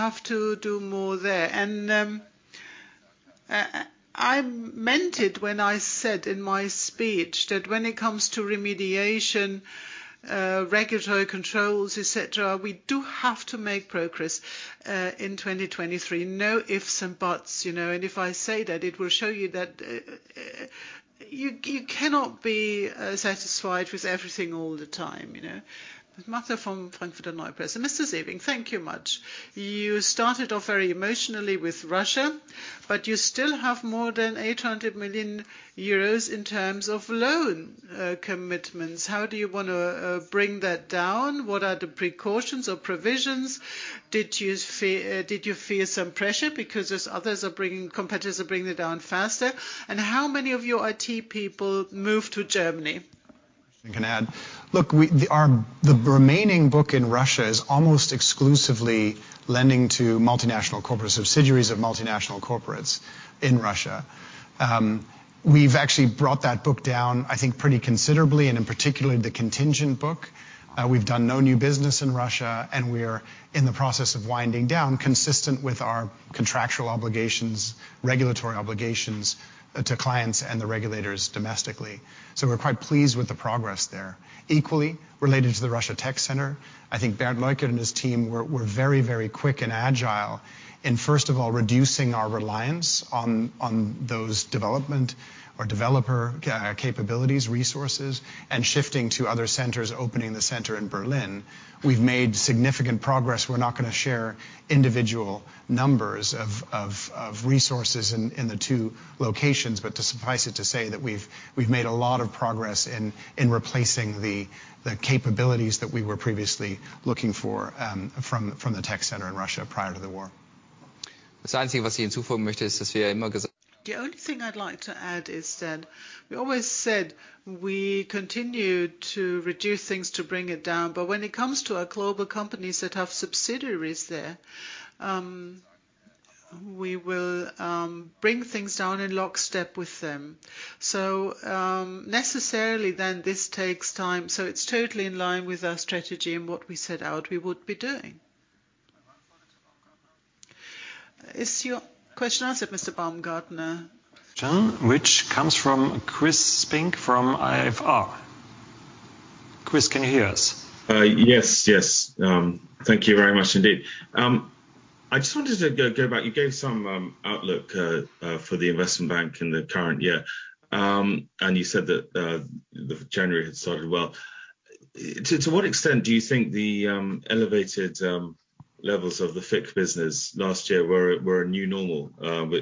will. As I mentioned in my speech, on remediation, regulatory controls, and other priorities, we must make progress in 2023. No ifs, no buts. If I say that, it will show you that, you cannot be satisfied with everything all the time, you know. Marta, Frankfurter Neue Presse. Thank you. You asked about Russia. We have over EUR 800 million in remaining commitments. How will we reduce this? What provisions are in place? Is there competitive pressure to move faster? How many IT staff relocated to Germany? The remaining Russian book is almost entirely lending to subsidiaries of multinational corporates. We’ve reduced this book, especially contingent exposures, and are winding down without new business. Progress aligns with contractual and regulatory obligations. Regarding the Russia tech center, Bernd Leukert’s team quickly reduced dependency on these resources, shifted tasks to other centers, and opened Berlin operations. Significant progress has been made. We won’t share individual staffing numbers, but significant progress has been made in replacing the capabilities previously provided by the Russia tech center before the war. We continue to reduce exposures in line with our strategy. For global companies with subsidiaries in Russia, reductions proceed in lockstep. This process takes time and aligns with our overall plan. Is your question answered, Mr. Baumgartner? John, this comes from Chris Spink at IFR. Chris, can you hear us? Yes, thank you very much. I wanted to revisit your outlook for the investment bank this year. You mentioned January started well. To what extent do you expect the elevated FICC levels from last year to be a new normal, or were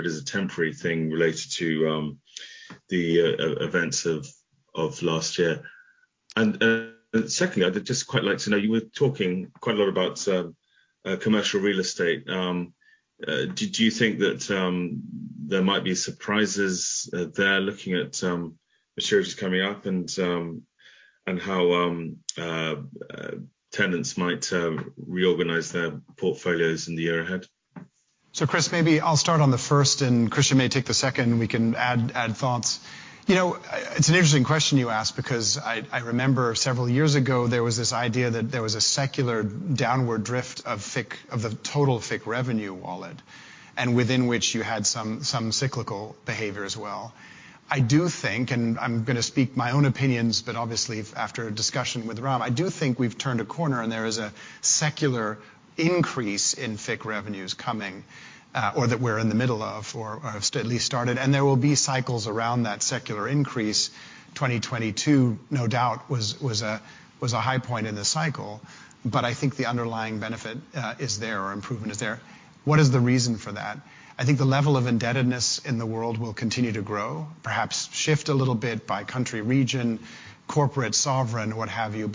they temporary due to last year’s events? Secondly, I’d like to understand your view on commercial real estate. Do you see potential surprises with upcoming maturities and how tenants may reorganize their portfolios over the next year? Chris, I’ll start with the first question, and Christian can address the second. Several years ago, there was a belief in a secular decline in total FICC revenues, with cyclical behavior layered on top. In my view—and after discussions with Ram—we’ve turned a corner. We are now experiencing, or starting, a secular increase in FICC revenues, though cycles will continue around that trend. Yes, 2022 was a peak year in the cycle, but the underlying improvement and secular benefits remain. Why is that? Global indebtedness continues to grow, though it varies by country, region, and sector.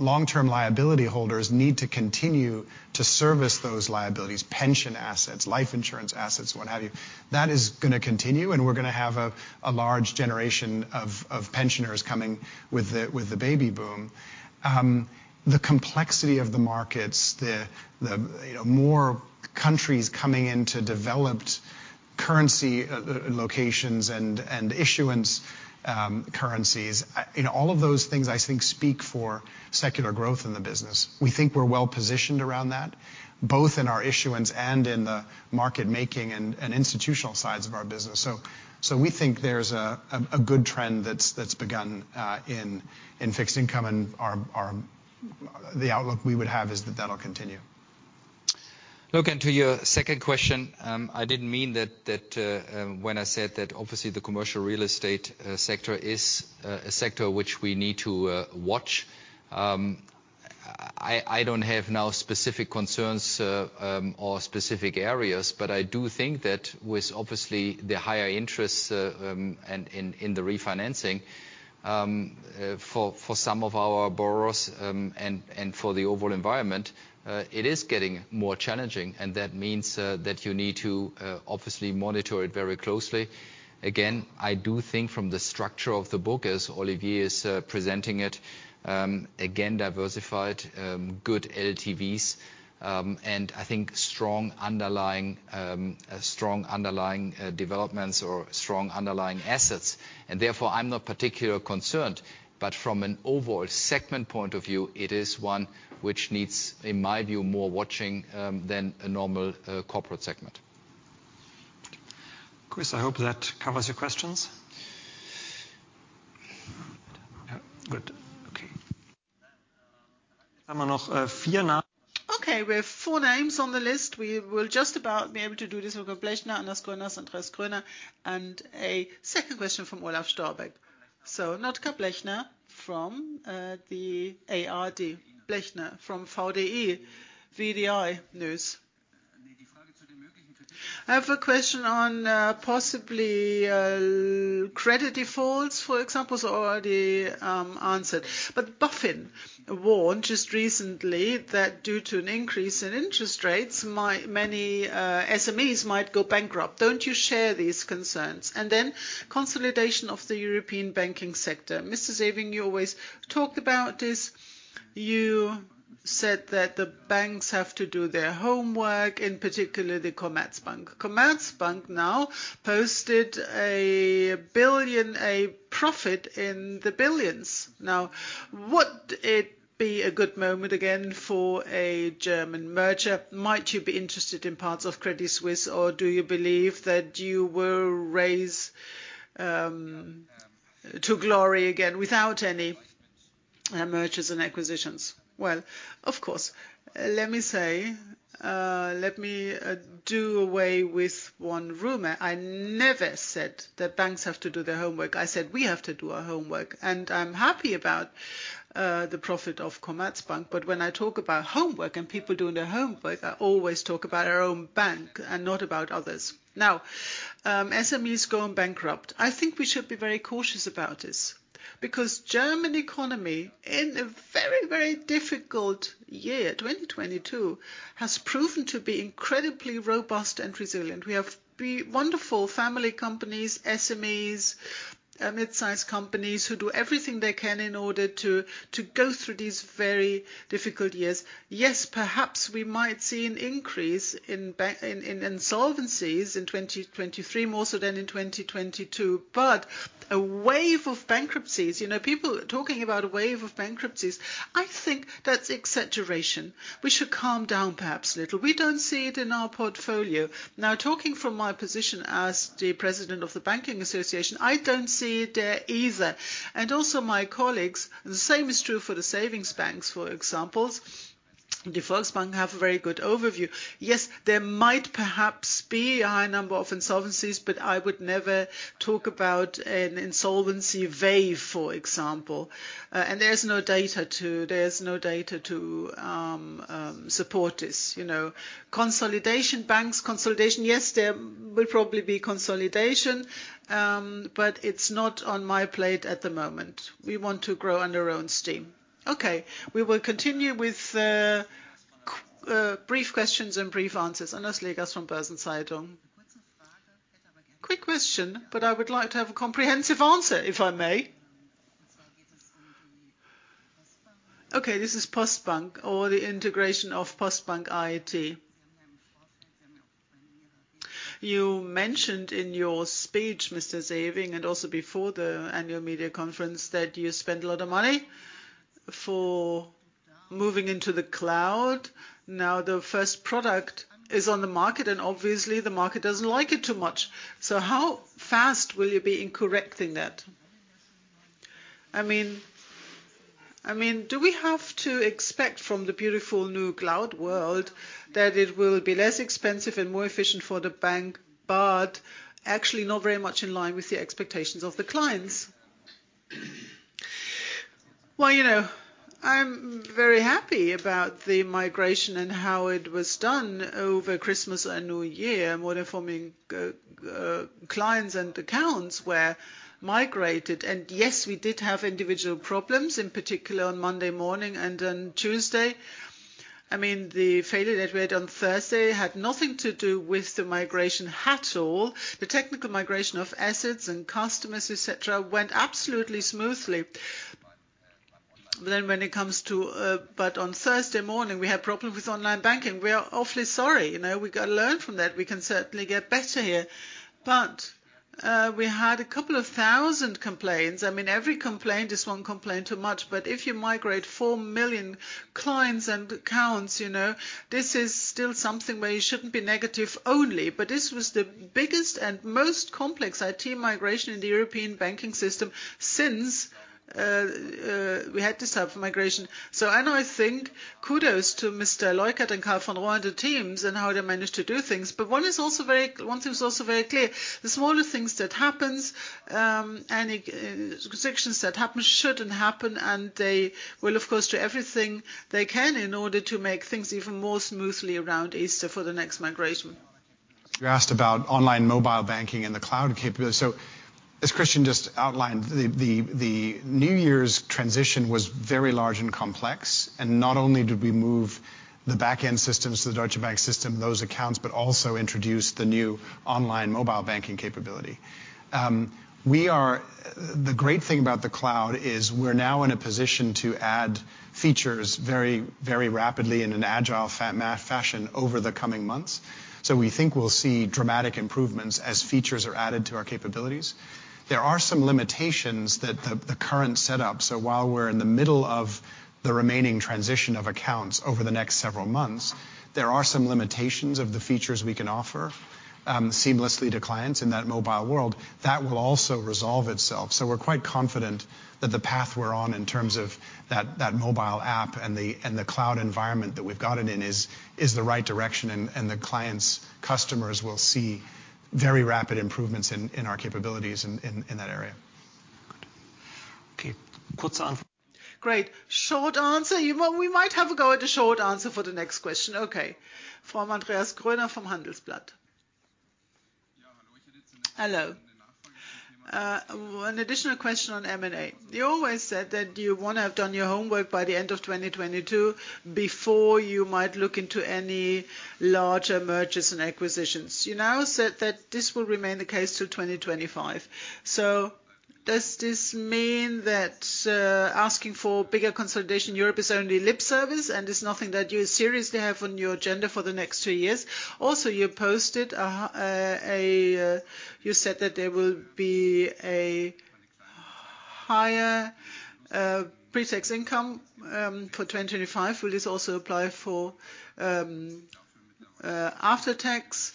Long-term liability holders, such as pension funds and life insurers, will continue servicing those obligations. A large generation of baby boomers will require continued financial products. Increasing market complexity and more countries entering developed currency zones support secular growth. These structural factors suggest FICC revenues have room to expand over time. We are well-positioned in issuance, market-making, and institutional services. Fixed income trends appear positive, and our outlook is that this secular growth trajectory will continue. Regarding commercial real estate, I’m not signaling immediate concerns, but higher interest rates and refinancing challenges mean we need to monitor this sector closely. From the structure of the book, as Olivier presents it, it is well-diversified with strong LTVs and underlying asset quality. While vigilance is warranted, we see no material immediate risks. Overall, I am not particularly concerned, but commercial real estate requires closer monitoring compared to a typical corporate segment. Chris, I hope that addresses your questions. We have four names on the list. We will manage them: Blechner, Arnd Gruner, Santos Gruner, and a second question from Olaf Storbeck. Notker Blechner, ARD. Blechner, VDE/VDI Nachrichten. I have a question on possible credit defaults, for example—it has already been addressed. BaFin recently warned that rising interest rates could threaten many SMEs. Do you share this concern? Regarding European banking consolidation: some ask if now is the right moment for a German merger. Could Deutsche Bank be interested in parts of Credit Suisse, or do we aim to grow independently? Let me clarify: I never said banks “have to do their homework.” I said we must do ours. I am pleased with Commerzbank’s profit, but our focus is on Deutsche Bank’s strategy and growth, not speculating about competitors. When I mention doing our homework, it always refers to Deutsche Bank, not others. Concerning SME bankruptcies, we should be cautious. Despite 2022 being a challenging year, the German economy proved robust and resilient. Family-owned mid-size companies are doing their utmost to navigate these difficulties. We may see a slight increase in insolvencies in 2023 compared to 2022, but the notion of a “wave” of bankruptcies is exaggerated. Our portfolio currently shows no alarming trends. As President of the Banking Association, I don’t see an insolvency wave among peers, including savings banks and Volksbanken. Some consolidation may occur, but it is not urgent. Our strategy is to grow on our own merits. Moving forward, we will continue with concise questions and answers. For instance, regarding Postbank or the integration of Postbank IT: Before the annual media conference, we invested heavily in moving to the cloud. The first product has launched, but market reception is modest. How quickly will we correct this? The goal remains a more efficient, cost-effective bank aligned with client expectations. I am pleased with the migration over Christmas and New Year: more than four million clients and accounts transitioned. Some individual issues occurred Monday and Tuesday, unrelated to the migration. Technically, asset and client migrations went smoothly. On Thursday, online banking issues arose—our apologies. Every complaint matters; a few thousand complaints occurred. Considering the scale—4 million clients—the migration is still a success. This was the largest, most complex IT migration in the European banking system of this type. Kudos to Bernd Leukert, Karl von Rohr, and their teams for executing it effectively. Minor issues and temporary restrictions should not happen again. We are committed to resolving these fully, aiming for a smooth experience by Easter during the next phase of migration. You asked about online/mobile banking and cloud capabilities. As Christian outlined, the New Year’s transition was massive and complex. We migrated back-end accounts and introduced new online/mobile banking functionality. The cloud now allows rapid, agile feature additions over coming months. While some current limitations exist during the remaining account transitions, these will resolve as features fully integrate. We expect substantial improvements and enhancements in client experience as we continue this rollout. We’re confident the path we’re on with the mobile app and cloud environment is the right one. Clients and customers will see rapid improvements in capabilities in this area over the coming months. Good. Okay. Short answer. We’ll try to provide a concise response for the next question—from Andreas Gröner at Handelsblatt. One more question on M&A. You previously said you wanted to complete your homework by the end of 2022 before considering larger mergers and acquisitions. Now you say this will remain the case until 2025. Does this mean calls for broader European consolidation are only lip service, with nothing serious on your agenda for the next two years? You mentioned higher pretax income in 2025—does this also apply after tax?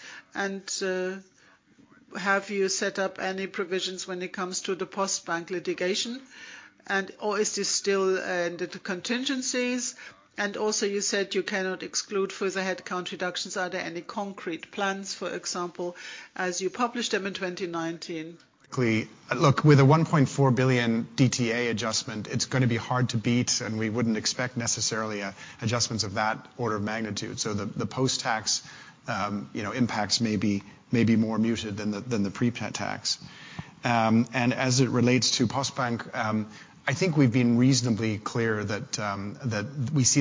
Have provisions been set for Postbank litigation, which I understand remains under contingencies? Finally, you noted you cannot rule out further headcount reductions. Are there any concrete plans, for example, like those published in 2019? With the 1.4 billion DTA adjustment, it will be hard to beat that, so we wouldn’t expect similar adjustments. Post-tax impacts may be more muted than pre-tax. Regarding Postbank, it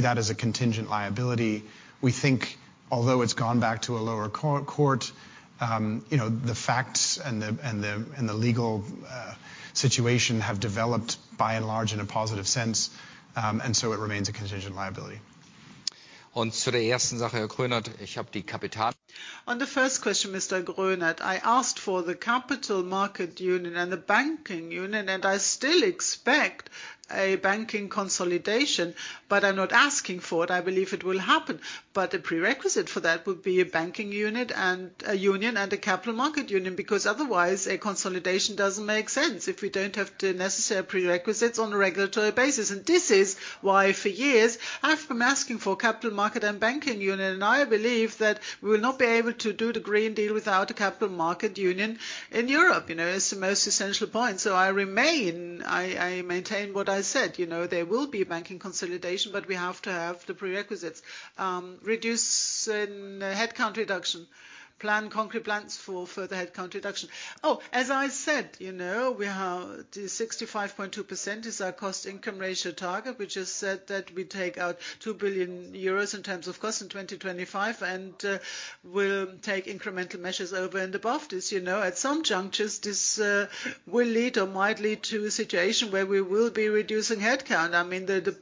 remains a contingent liability. Although it has returned to a lower court, the facts and legal situation have largely evolved positively, so the contingent liability status continues. On the first question, Mr. Gröner, regarding the Capital Markets Union and banking union: I still expect banking consolidation, though I am not requesting it. Consolidation requires these regulatory prerequisites; without them, it doesn’t make sense. That’s why I have long advocated for both a Capital Markets and Banking Union in Europe. Without it, initiatives like the Green Deal are difficult to implement. My position remains: banking consolidation will happen, but only once regulatory prerequisites are in place. Regarding headcount reductions, concrete plans are guided by cost-income ratio targets and ongoing strategic adjustments. Our cost-income ratio target is 65.2%. We plan to remove 2 billion euros in costs by 2025 through incremental measures. In some cases, this may result in headcount reductions, such as branch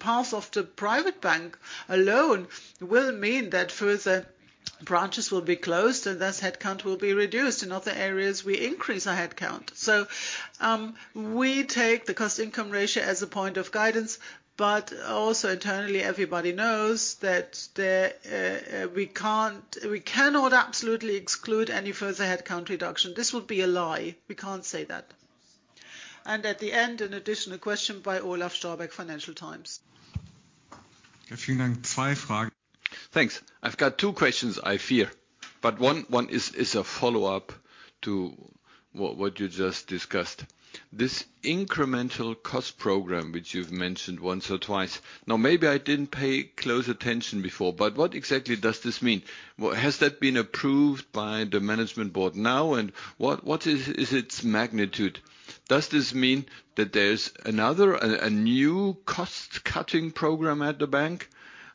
closures in the Private Bank. In other areas, headcount may increase. The cost-income ratio serves as guidance. Internally, everyone understands that further reductions cannot be fully excluded. Finally, Olaf Storbeck at the Financial Times has an additional question. Two questions. First, regarding the incremental cost program you mentioned: what exactly does it entail? Has it been approved by the management board, and what is its magnitude? Does this constitute a new cost-cutting program at the bank?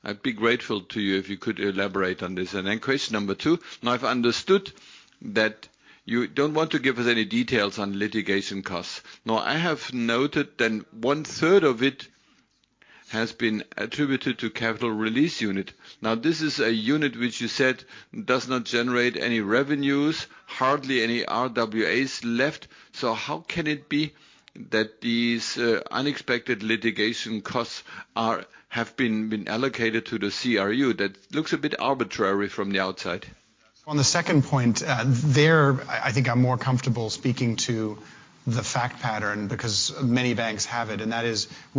Second, I understand you don’t wish to provide litigation cost details. One-third of these costs was attributed to the Capital Release Unit, which generates little revenue and has minimal RWAs left. How can these unexpected litigation costs be allocated to the CRU? From the outside, it seems somewhat arbitrary. How can it be that these unexpected litigation costs have been allocated to the CRU? That looks a bit arbitrary from the outside. On the CRU point: many banks have similar situations. The CRU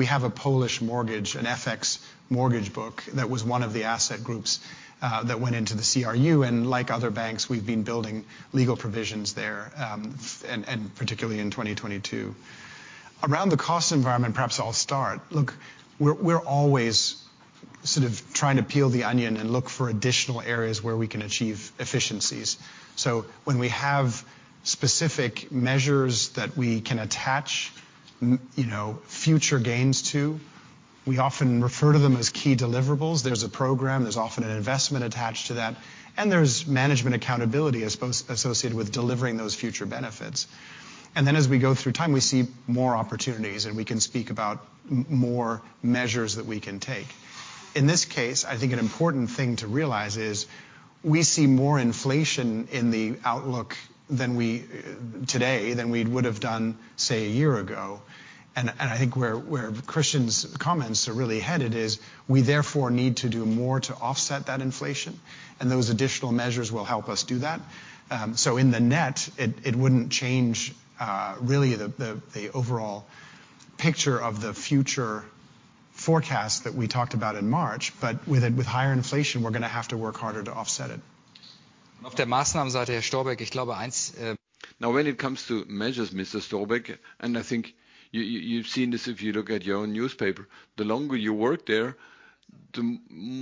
included a Polish FX mortgage book. Like other banks, we’ve built legal provisions there, especially in 2022. Regarding costs, we constantly review opportunities to increase efficiency. Specific measures tied to future gains are labeled as key deliverables, with associated investment and management accountability. Over time, we identify additional measures. Inflation outlooks are higher than last year, which means we need more actions to offset it. These additional measures will help maintain overall forecast guidance discussed in March. In other words, the incremental steps are designed to preserve our strategic plan despite higher inflation. Regarding measures, Mr. Storbeck, as you’ve likely observed in your own newspaper, the longer one works there… …the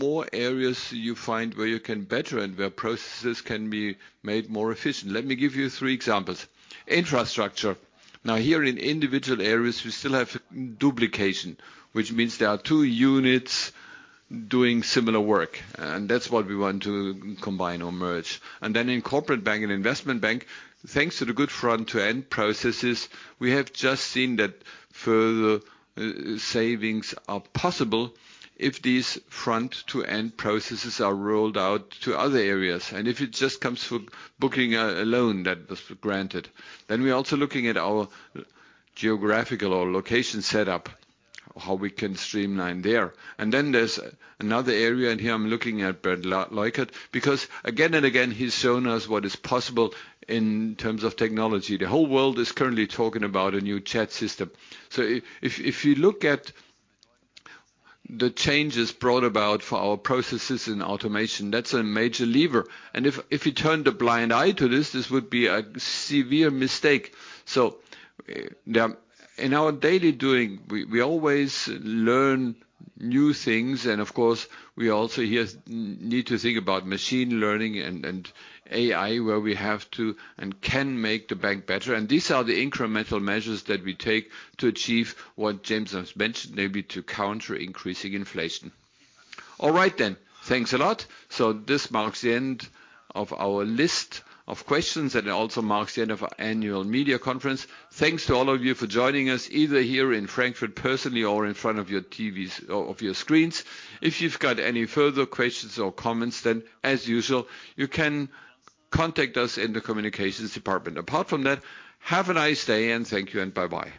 more opportunities one finds to improve processes and efficiency. Three examples: infrastructure—some duplication exists, which we aim to consolidate. In the corporate and investment banks, efficient front-to-end processes allow further savings when expanded. Booking a loan is another area. We also review geographical setup to streamline operations. Finally, technology: Bert Lohse continues to show what is possible with innovations, including new chat systems. Automation drives major process improvements. Ignoring it would be a mistake. We continually learn in daily operations, and machine learning and AI help improve banking capabilities. These incremental measures support what James mentioned: countering rising inflation. This concludes our questions and marks the end of the annual media conference. Thank you for joining in Frankfurt or remotely. For further questions or comments, contact the communications department. Otherwise, thank you, have a nice day, and goodbye.